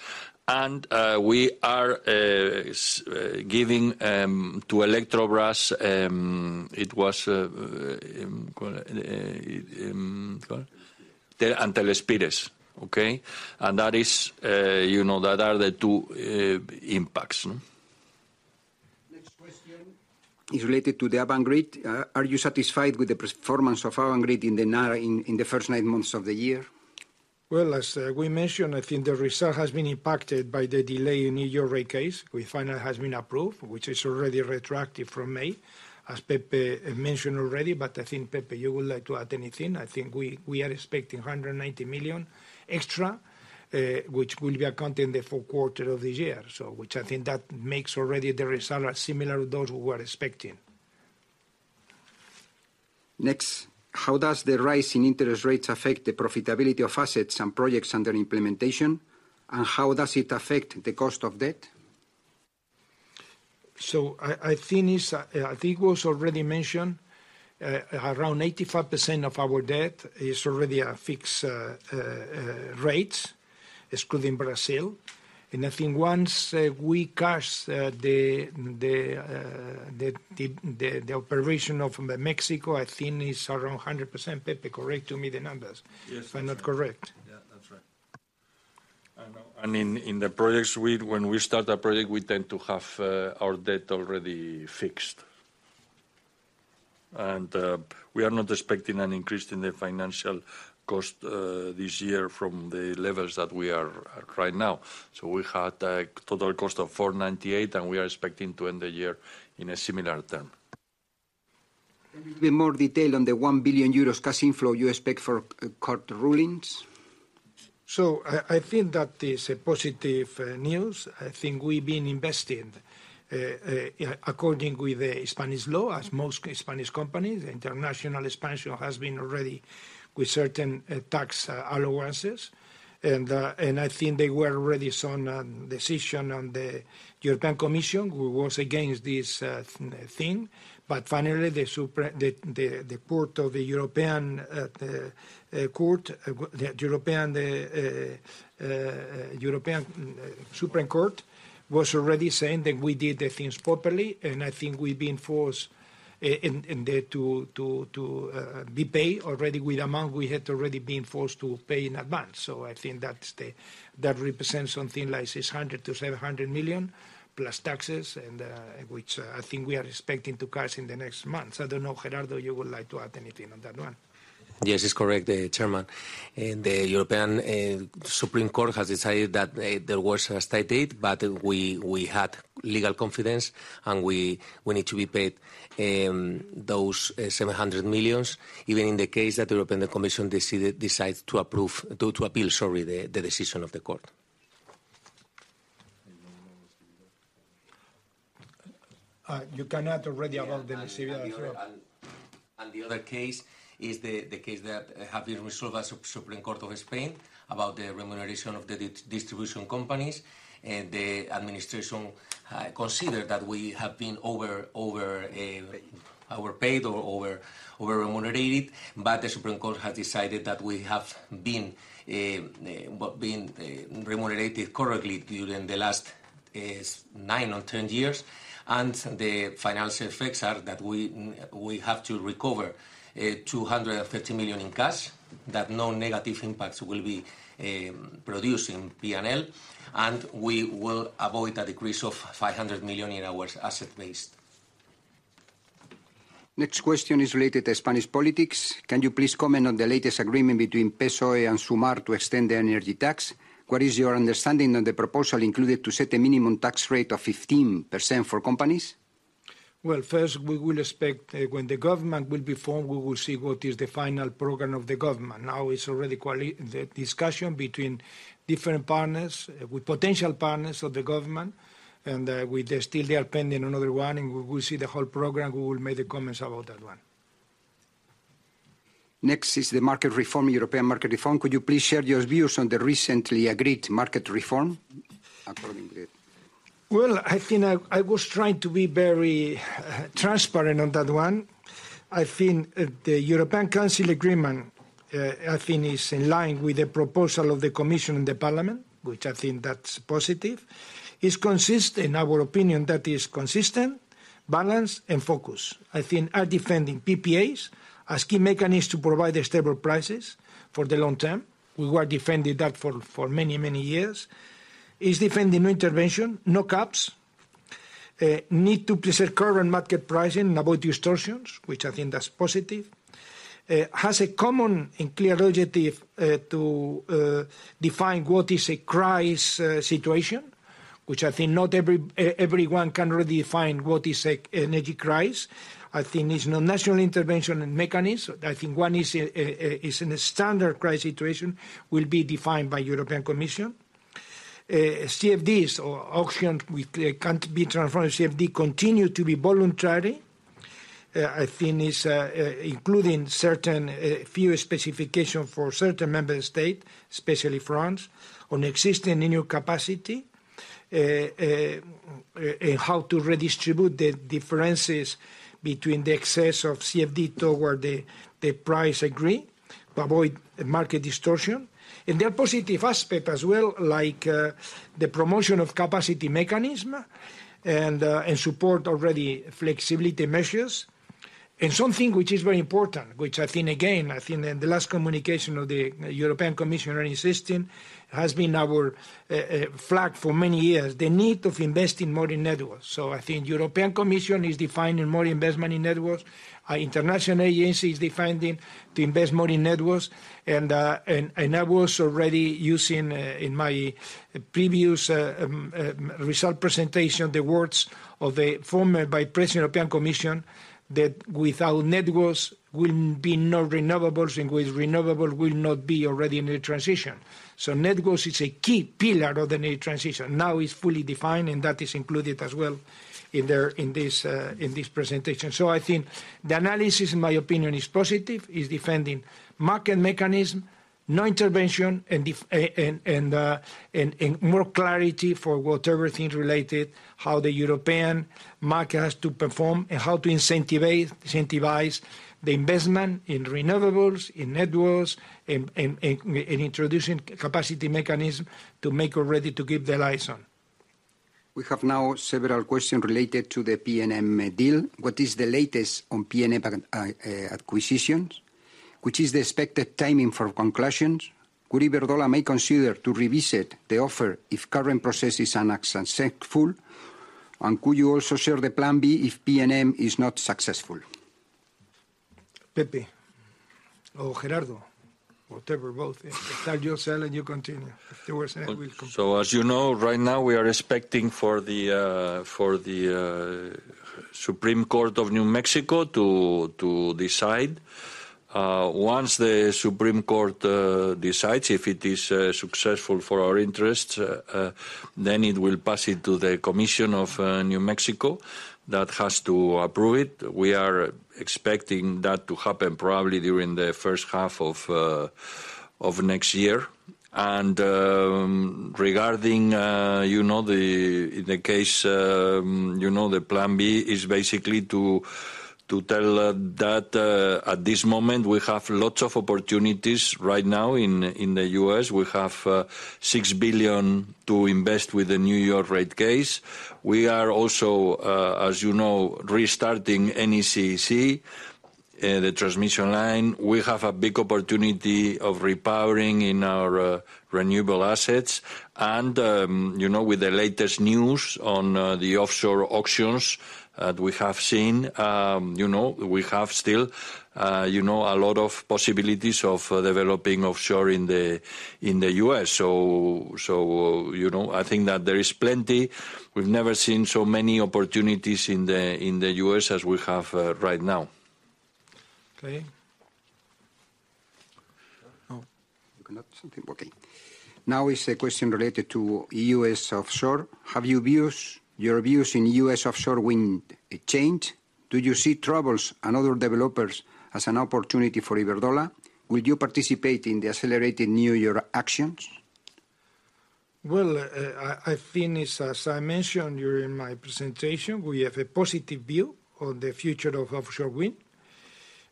and we are giving to Eletrobras. It was call call-... The Teles Pires, okay? And that is, you know, that are the two impacts. Next question is related to the Avangrid. Are you satisfied with the performance of Avangrid now in the first nine months of the year? Well, as we mentioned, I think the result has been impacted by the delay in New York case, which finally has been approved, which is already retroactive from May, as Pepe mentioned already. But I think, Pepe, you would like to add anything? I think we are expecting 190 million extra, which will be accounting the full quarter of this year. So which I think that makes already the result are similar to those we were expecting. Next, how does the rise in interest rates affect the profitability of assets and projects under implementation, and how does it affect the cost of debt? So I think it was already mentioned, around 85% of our debt is already at fixed rate, excluding Brazil. And I think once we cash the operation of Mexico, I think it's around 100%. Pepe, correct me the numbers- Yes. If I'm not correct. Yeah, that's right. And in the projects, when we start a project, we tend to have our debt already fixed. And we are not expecting an increase in the financial cost this year from the levels that we are at right now. So we had a total cost of 4.98, and we are expecting to end the year in a similar term. Can you give more detail on the 1 billion euros cash inflow you expect for court rulings? So I think that is a positive news. I think we've been invested according with the Spanish law, as most Spanish companies, international, Spanish, has been already with certain tax allowances. And I think they were already some decision on the European Commission, who was against this thing. But finally, the European Supreme Court was already saying that we did the things properly, and I think we've been forced in there to be paid already with amount we had already been forced to pay in advance. So I think that's the, that represents something like 600-700 million, plus taxes, and, which, I think we are expecting to cash in the next months. I don't know, Gerardo, you would like to add anything on that one? Yes, it's correct, Chairman. The European Supreme Court has decided that there was a state aid, but we had legal confidence, and we need to be paid those 700 million, even in the case that the European Commission decides to appeal the decision of the court. And then... You cannot already about the receiving of Europe. The other case is the case that have been resolved as Supreme Court of Spain, about the remuneration of the distribution companies. The administration consider that we have been overpaid or over remunerated, but the Supreme Court has decided that we have been well remunerated correctly during the last nine or 10 years. The financial effects are that we have to recover 250 million in cash, that no negative impacts will be produced in P&L, and we will avoid a decrease of 500 million in our asset base. Next question is related to Spanish politics. Can you please comment on the latest agreement between PSOE and SUMAR to extend the energy tax? What is your understanding on the proposal included to set a minimum tax rate of 15% for companies? Well, first, we will expect when the government will be formed, we will see what is the final program of the government. Now, it's already coalition discussion between different partners with potential partners of the government, and with still they are pending another one, and we will see the whole program, we will make the comments about that one. Next is the market reform, European market reform. Could you please share your views on the recently agreed market reform, according to it? Well, I think I was trying to be very transparent on that one. I think the European Council agreement I think is in line with the proposal of the Commission and the Parliament, which I think that's positive. It's consistent, in our opinion, that is consistent, balanced, and focused. I think are defending PPAs as key mechanism to provide the stable prices for the long term. We were defending that for many, many years.... is defending no intervention, no caps need to preserve current market pricing and avoid distortions, which I think that's positive. Has a common and clear objective to define what is a crisis situation, which I think not everyone can really define what is a an energy crisis. I think there's no national intervention and mechanism. I think one is in a standard crisis situation will be defined by European Commission. CFDs or auction, we can't be transformed, CFD continue to be voluntary. I think it's including certain few specification for certain member state, especially France, on existing nuclear capacity. And how to redistribute the differences between the excess of CFD toward the price agreed to avoid market distortion. And there are positive aspect as well, like the promotion of capacity mechanism and and support already flexibility measures. And something which is very important, which I think, again, I think in the last communication of the European Commission are insisting, has been our flag for many years, the need of investing more in networks. So I think European Commission is defining more investment in networks. International agencies is defining to invest more in networks. And I was already using in my previous result presentation the words of a former Vice President European Commission, that without networks will be no renewables, and with renewable will not be already in a transition. So networks is a key pillar of the new transition, now is fully defined, and that is included as well in there, in this presentation. So I think the analysis, in my opinion, is positive, is defending market mechanism, no intervention, and more clarity for whatever things related, how the European market has to perform, and how to incentivize the investment in renewables, in networks, in introducing capacity mechanism to make already to keep the lights on. We have now several questions related to the PNM deal. What is the latest on PNM acquisitions? Which is the expected timing for conclusions? Could Iberdrola may consider to revisit the offer if current processes are not successful? And could you also share the Plan B if PNM is not successful? Pepe or Gerardo, whatever, both. Start you sell, and you continue. The rest will come- So as you know, right now, we are expecting for the Supreme Court of New Mexico to decide. Once the Supreme Court decides, if it is successful for our interests, then it will pass it to the Commission of New Mexico. That has to approve it. We are expecting that to happen probably during the first half of next year. Regarding, you know, the case, you know, the plan B is basically to tell that at this moment, we have lots of opportunities right now in the U.S. We have $6 billion to invest with the New York rate case. We are also, as you know, restarting NECEC, the transmission line. We have a big opportunity of repowering in our renewable assets. And, you know, with the latest news on the offshore auctions that we have seen, you know, we have still a lot of possibilities of developing offshore in the U.S. So, you know, I think that there is plenty. We've never seen so many opportunities in the U.S. as we have right now. Okay. Oh. Okay, now is a question related to U.S. offshore. Have your views in U.S. offshore wind changed? Do you see troubles and other developers as an opportunity for Iberdrola? Will you participate in the accelerated New York auctions? Well, I think it's as I mentioned during my presentation, we have a positive view on the future of offshore wind.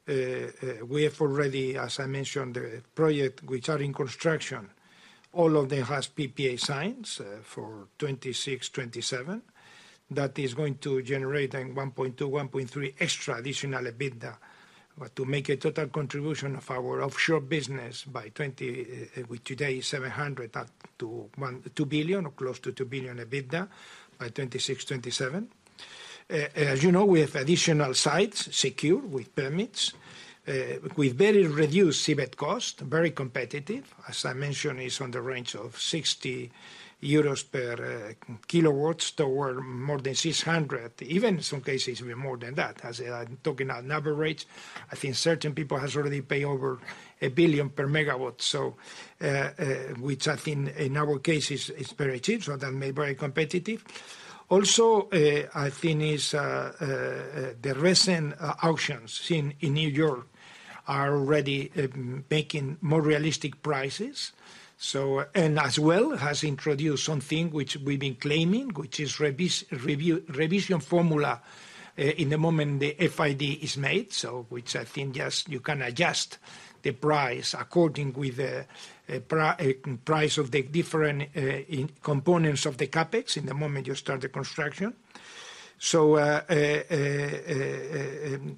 We have already, as I mentioned, the projects which are in construction, all of them has PPAs signed for 2026, 2027. That is going to generate then 1.2 billion-1.3 billion extra additional EBITDA. But to make a total contribution of our offshore business by 2027 with today 700 million, up to 1-2 billion or close to 2 billion EBITDA by 2026, 2027. As you know, we have additional sites secure with permits, with very reduced CapEx cost, very competitive. As I mentioned, it's on the range of 60 euros per kilowatt to more than 600, even in some cases, even more than that. As I'm talking about number rates, I think certain people has already paid over $1 billion per megawatt, so, which I think in our case is very cheap, so that may very competitive. Also, I think it's the recent auctions in New York are already making more realistic prices, so. And as well, has introduced something which we've been claiming, which is revision formula in the moment the FID is made, so which I think, yes, you can adjust the price according with the price of the different in components of the CAPEX in the moment you start the construction. So, and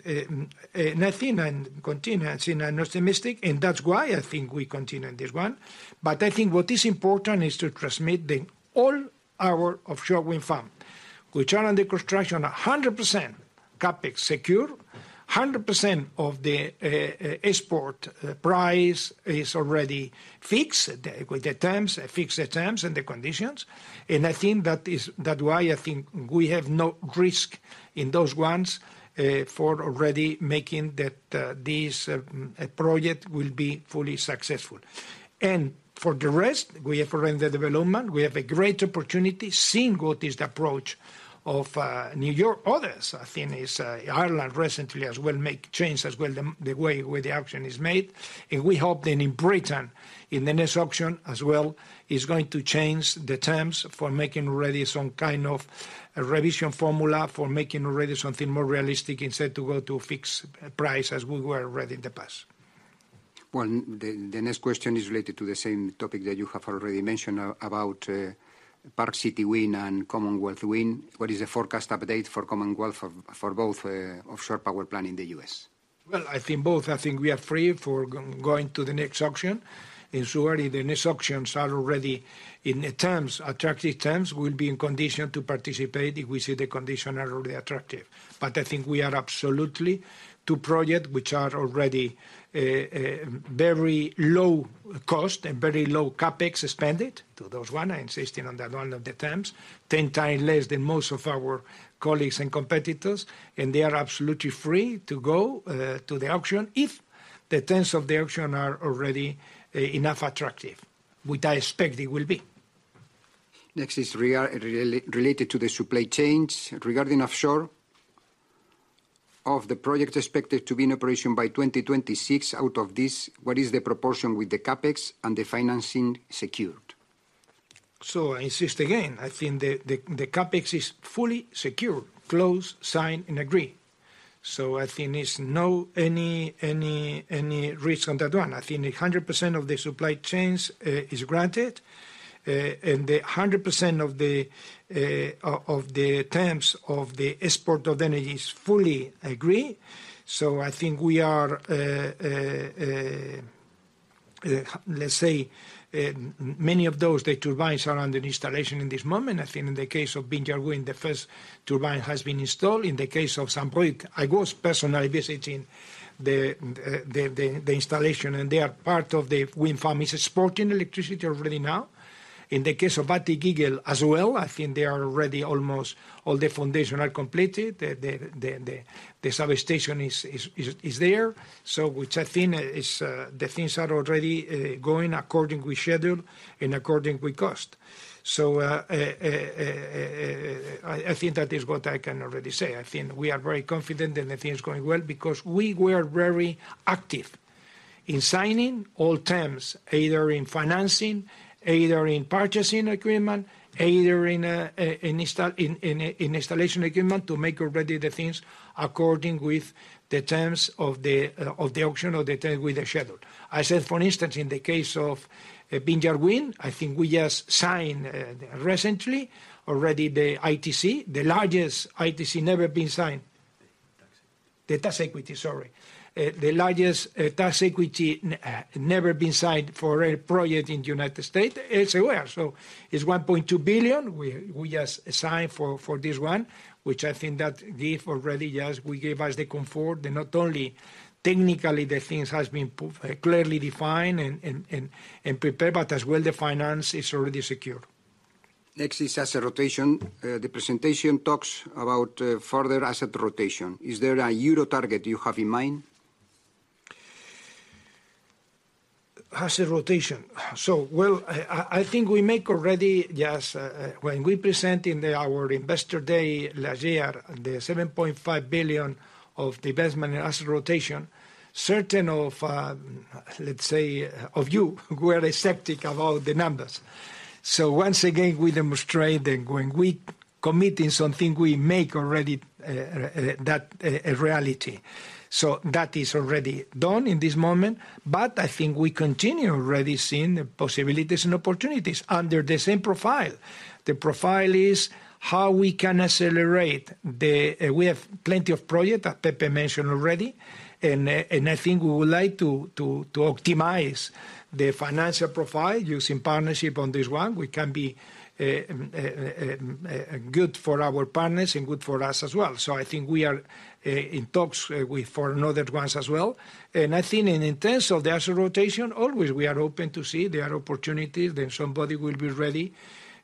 I think and continue, I think, I'm optimistic, and that's why I think we continue on this one. But I think what is important is to transmit the all our offshore wind farm, which are under construction 100% CapEx secure, 100% of the export price is already fixed, the with the terms fixed the terms and the conditions. And I think that is- that why I think we have no risk in those ones for already making that this project will be fully successful. And for the rest, we have in the development, we have a great opportunity, seeing what is the approach of New York. Others, I think, is Ireland recently as well, make changes as well, the the way where the action is made. We hope that in Britain, in the next auction as well, is going to change the terms for making already some kind of a revision formula for making already something more realistic, instead to go to fixed price as we were read in the past. Well, the next question is related to the same topic that you have already mentioned about Park City Wind and Commonwealth Wind. What is the forecast update for Commonwealth for both offshore power plant in the US? Well, I think both. I think we are free to go to the next auction. And so already the next auctions are already in the terms, attractive terms, we'll be in condition to participate if we see the condition are really attractive. But I think we are absolutely two project, which are already very low cost and very low CapEx spent, so those one, I insisting on that one of the terms, ten times less than most of our colleagues and competitors, and they are absolutely free to go to the auction if the terms of the auction are already enough attractive, which I expect they will be. Next is related to the supply chains. Regarding offshore, of the project expected to be in operation by 2026, out of this, what is the proportion with the CapEx and the financing secured? So I insist again, I think the CapEx is fully secure, closed, signed, and agreed. So I think there's no risk on that one. I think 100% of the supply chains is granted, and 100% of the terms of the export of the energy is fully agreed. So I think we are, let's say, many of those turbines are under installation in this moment. I think in the case of Vineyard Wind, the first turbine has been installed. In the case of Saint-Brieuc, I was personally visiting the installation, and they are part of the wind farm is exporting electricity already now. In the case of Baltic Eagle as well, I think they are already almost all the foundation are completed. The substation is there. So which I think is, the things are already going according with schedule and according with cost. So, I think that is what I can already say. I think we are very confident, and I think it's going well, because we were very active in signing all terms, either in financing, either in purchasing agreement, either in installation agreement, to make already the things according with the terms of the auction or the term with the schedule. I said, for instance, in the case of Vineyard Wind, I think we just signed recently already the ITC, the largest ITC never been signed. The tax equity. The tax equity, sorry. The largest tax equity never been signed for a project in the United States, as well. So it's $1.2 billion, we, we just signed for, for this one, which I think that give already, yes, we gave us the comfort that not only technically the things has been clearly defined and prepared, but as well, the finance is already secure. Next is asset rotation. The presentation talks about further asset rotation. Is there a Euro target you have in mind? Asset rotation. So, well, I think we make already, when we present in our Investor Day last year, the 7.5 billion of the investment in asset rotation, certain of, let's say, of you were skeptical about the numbers. So once again, we demonstrate that when we committing something, we make already that a reality. So that is already done in this moment, but I think we continue already seeing the possibilities and opportunities under the same profile. The profile is how we can accelerate the... We have plenty of project, as Pepe mentioned already, and I think we would like to optimize the financial profile using partnership on this one. We can be good for our partners and good for us as well. So, I think we are in talks with for another ones as well. And I think in terms of the asset rotation, always we are open to see there are opportunities, then somebody will be ready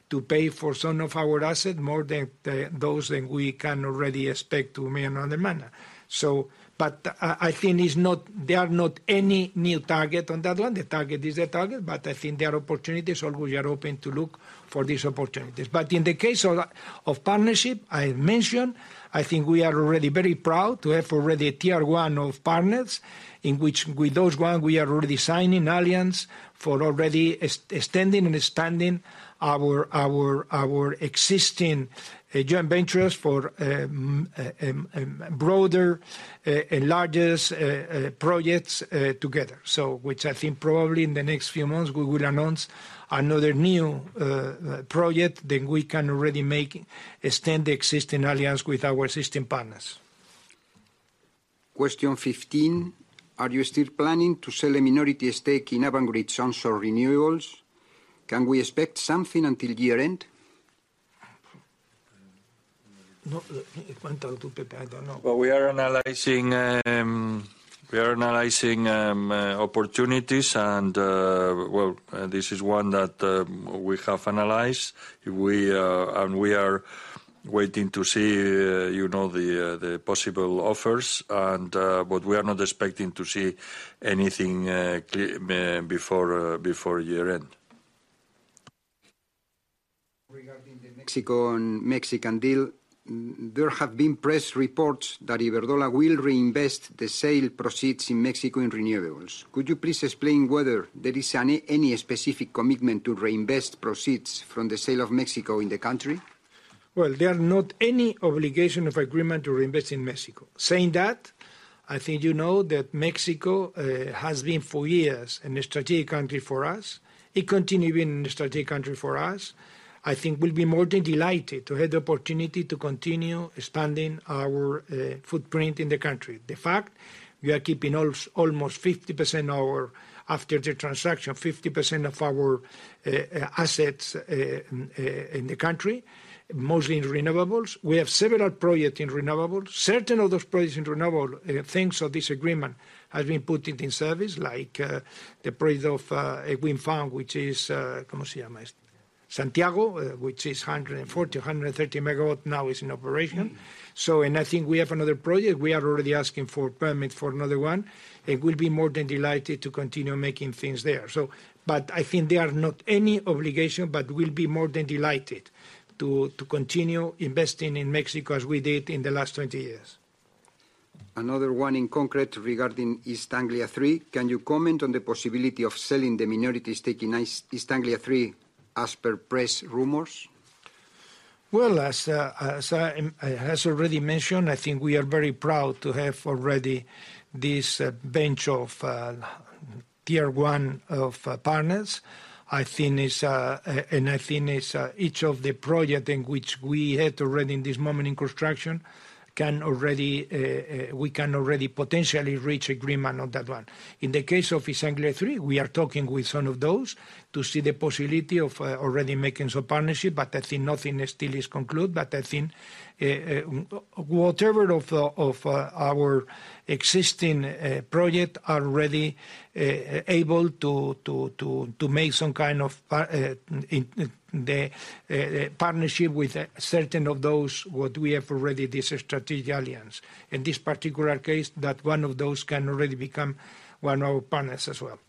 to pay for some of our asset more than those than we can already expect to make another manner. So but, I think it's not, there are not any new target on that one. The target is the target, but I think there are opportunities, always we are open to look for these opportunities. But in the case of partnership, I mentioned, I think we are already very proud to have already a tier one of partners, in which with those one, we are already signing alliance for already extending and expanding our existing joint ventures for broader and largest projects together. So which I think probably in the next few months, we will announce another new project, then we can already make extend the existing alliance with our existing partners.... Question 15: Are you still planning to sell a minority stake in Avangrid Onshore Renewables? Can we expect something until year-end? No, why don't talk to Pepe? I don't know. Well, we are analyzing opportunities and, well, this is one that we have analyzed. And we are waiting to see, you know, the possible offers and, but we are not expecting to see anything before year-end. Regarding the Mexico and Mexican deal, there have been press reports that Iberdrola will reinvest the sale proceeds in Mexico in renewables. Could you please explain whether there is any, any specific commitment to reinvest proceeds from the sale of Mexico in the country? Well, there are not any obligation of agreement to reinvest in Mexico. Saying that, I think you know that Mexico has been for years a strategic country for us. It continue being a strategic country for us. I think we'll be more than delighted to have the opportunity to continue expanding our footprint in the country. The fact we are keeping almost 50% our, after the transaction, 50% of our assets in the country, mostly in renewables. We have several projects in renewables. Certain of those projects in renewables things of this agreement have been put in service, like the Pier II wind farm, which is 140 MW, now is in operation. I think we have another project. We are already asking for permit for another one, and we'll be more than delighted to continue making things there. But I think there are not any obligation, but we'll be more than delighted to continue investing in Mexico as we did in the last 20 years. Another one in concrete regarding East Anglia Three. Can you comment on the possibility of selling the minority stake in East Anglia Three, as per press rumors? Well, as already mentioned, I think we are very proud to have already this bench of tier one partners. I think it's and I think it's each of the project in which we had already in this moment in construction, can already we can already potentially reach agreement on that one. In the case of East Anglia Three, we are talking with some of those to see the possibility of already making some partnership, but I think nothing still is concluded. But I think whatever of our existing project are already able to make some kind of partnership in the partnership with certain of those what we have already, this strategic alliance. In this particular case, that one of those can already become one of partners as well.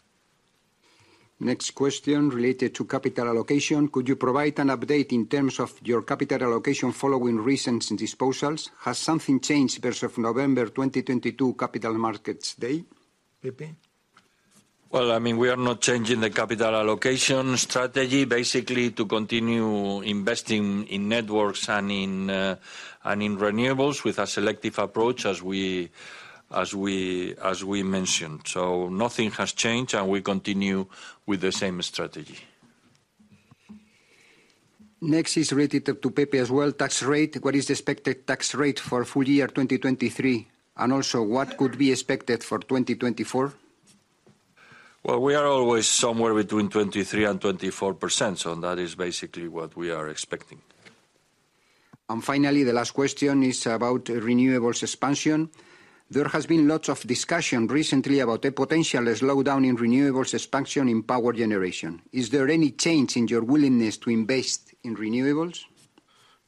Next question related to capital allocation. Could you provide an update in terms of your capital allocation following recent disposals? Has something changed versus November 2022, Capital Markets Day? Pepe? Well, I mean, we are not changing the capital allocation strategy, basically, to continue investing in networks and in renewables with a selective approach as we mentioned. So nothing has changed, and we continue with the same strategy. Next is related to Pepe as well, tax rate. What is the expected tax rate for full year 2023? And also, what could be expected for 2024? Well, we are always somewhere between 23% and 24%, so that is basically what we are expecting. Finally, the last question is about renewables expansion. There has been lots of discussion recently about a potential slow down in renewables expansion in power generation. Is there any change in your willingness to invest in renewables?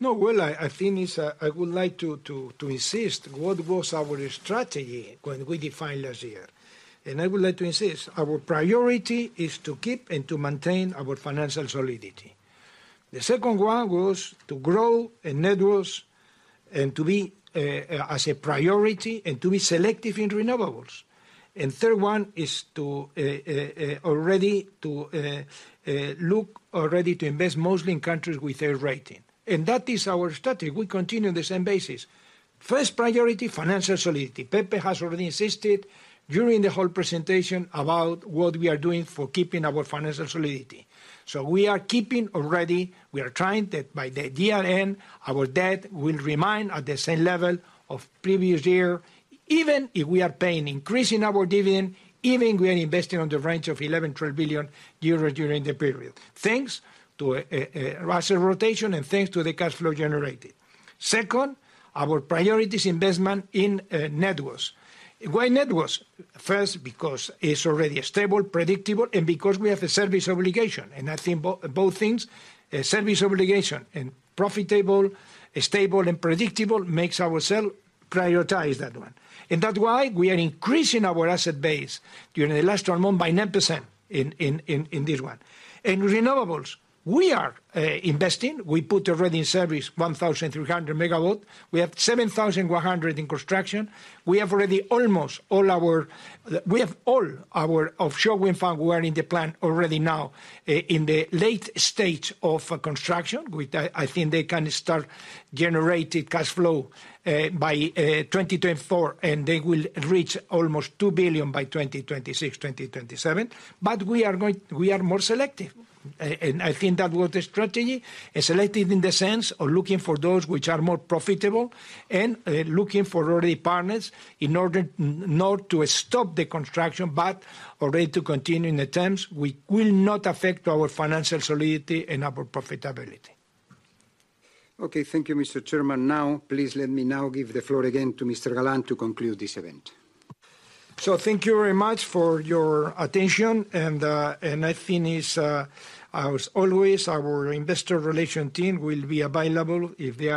No. Well, I think it's, I would like to insist what was our strategy when we defined last year. And I would like to insist, our priority is to keep and to maintain our financial solidity. The second one was to grow in networks and to be as a priority, and to be selective in renewables. And third one is to already to look already to invest mostly in countries with their rating. And that is our strategy. We continue the same basis. First priority, financial solidity. Pepe has already insisted during the whole presentation about what we are doing for keeping our financial solidity. We are keeping already, we are trying that by the year-end, our debt will remain at the same level of previous year, even if we are paying, increasing our dividend, even we are investing in the range of 11 billion-12 billion euros during the period, thanks to a asset rotation and thanks to the cash flow generated. Second, our priorities investment in networks. Why networks? First, because it's already stable, predictable, and because we have a service obligation, and I think both things, a service obligation and profitable, stable, and predictable, makes ourselves prioritize that one. And that's why we are increasing our asset base during the last term by 9% in this one. In renewables, we are investing. We put already in service 1,300 MW. We have 7,100 in construction. We have all our offshore wind farm running the plant already now in the late stage of construction, which I think they can start generating cash flow by 2024, and they will reach almost 2 billion by 2026, 2027. We are more selective, and I think that was the strategy. Selective in the sense of looking for those which are more profitable, and looking for already partners in order not to stop the construction, but already to continue in the terms, we will not affect our financial solidity and our profitability. Okay. Thank you, Mr. Chairman. Now, please let me now give the floor again to Mr. Galán to conclude this event. So thank you very much for your attention, and I think it's, as always, our Investor Relations team will be available if we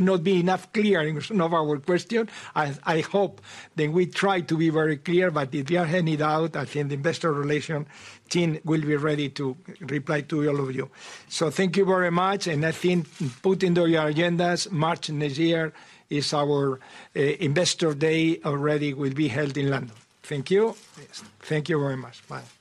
will not be clear enough in some of our questions. I hope that we try to be very clear, but if you have any doubt, I think the Investor Relations team will be ready to reply to all of you. So thank you very much, and I think put in your agendas, March next year is our investor day already will be held in London. Thank you. Yes. Thank you very much. Bye.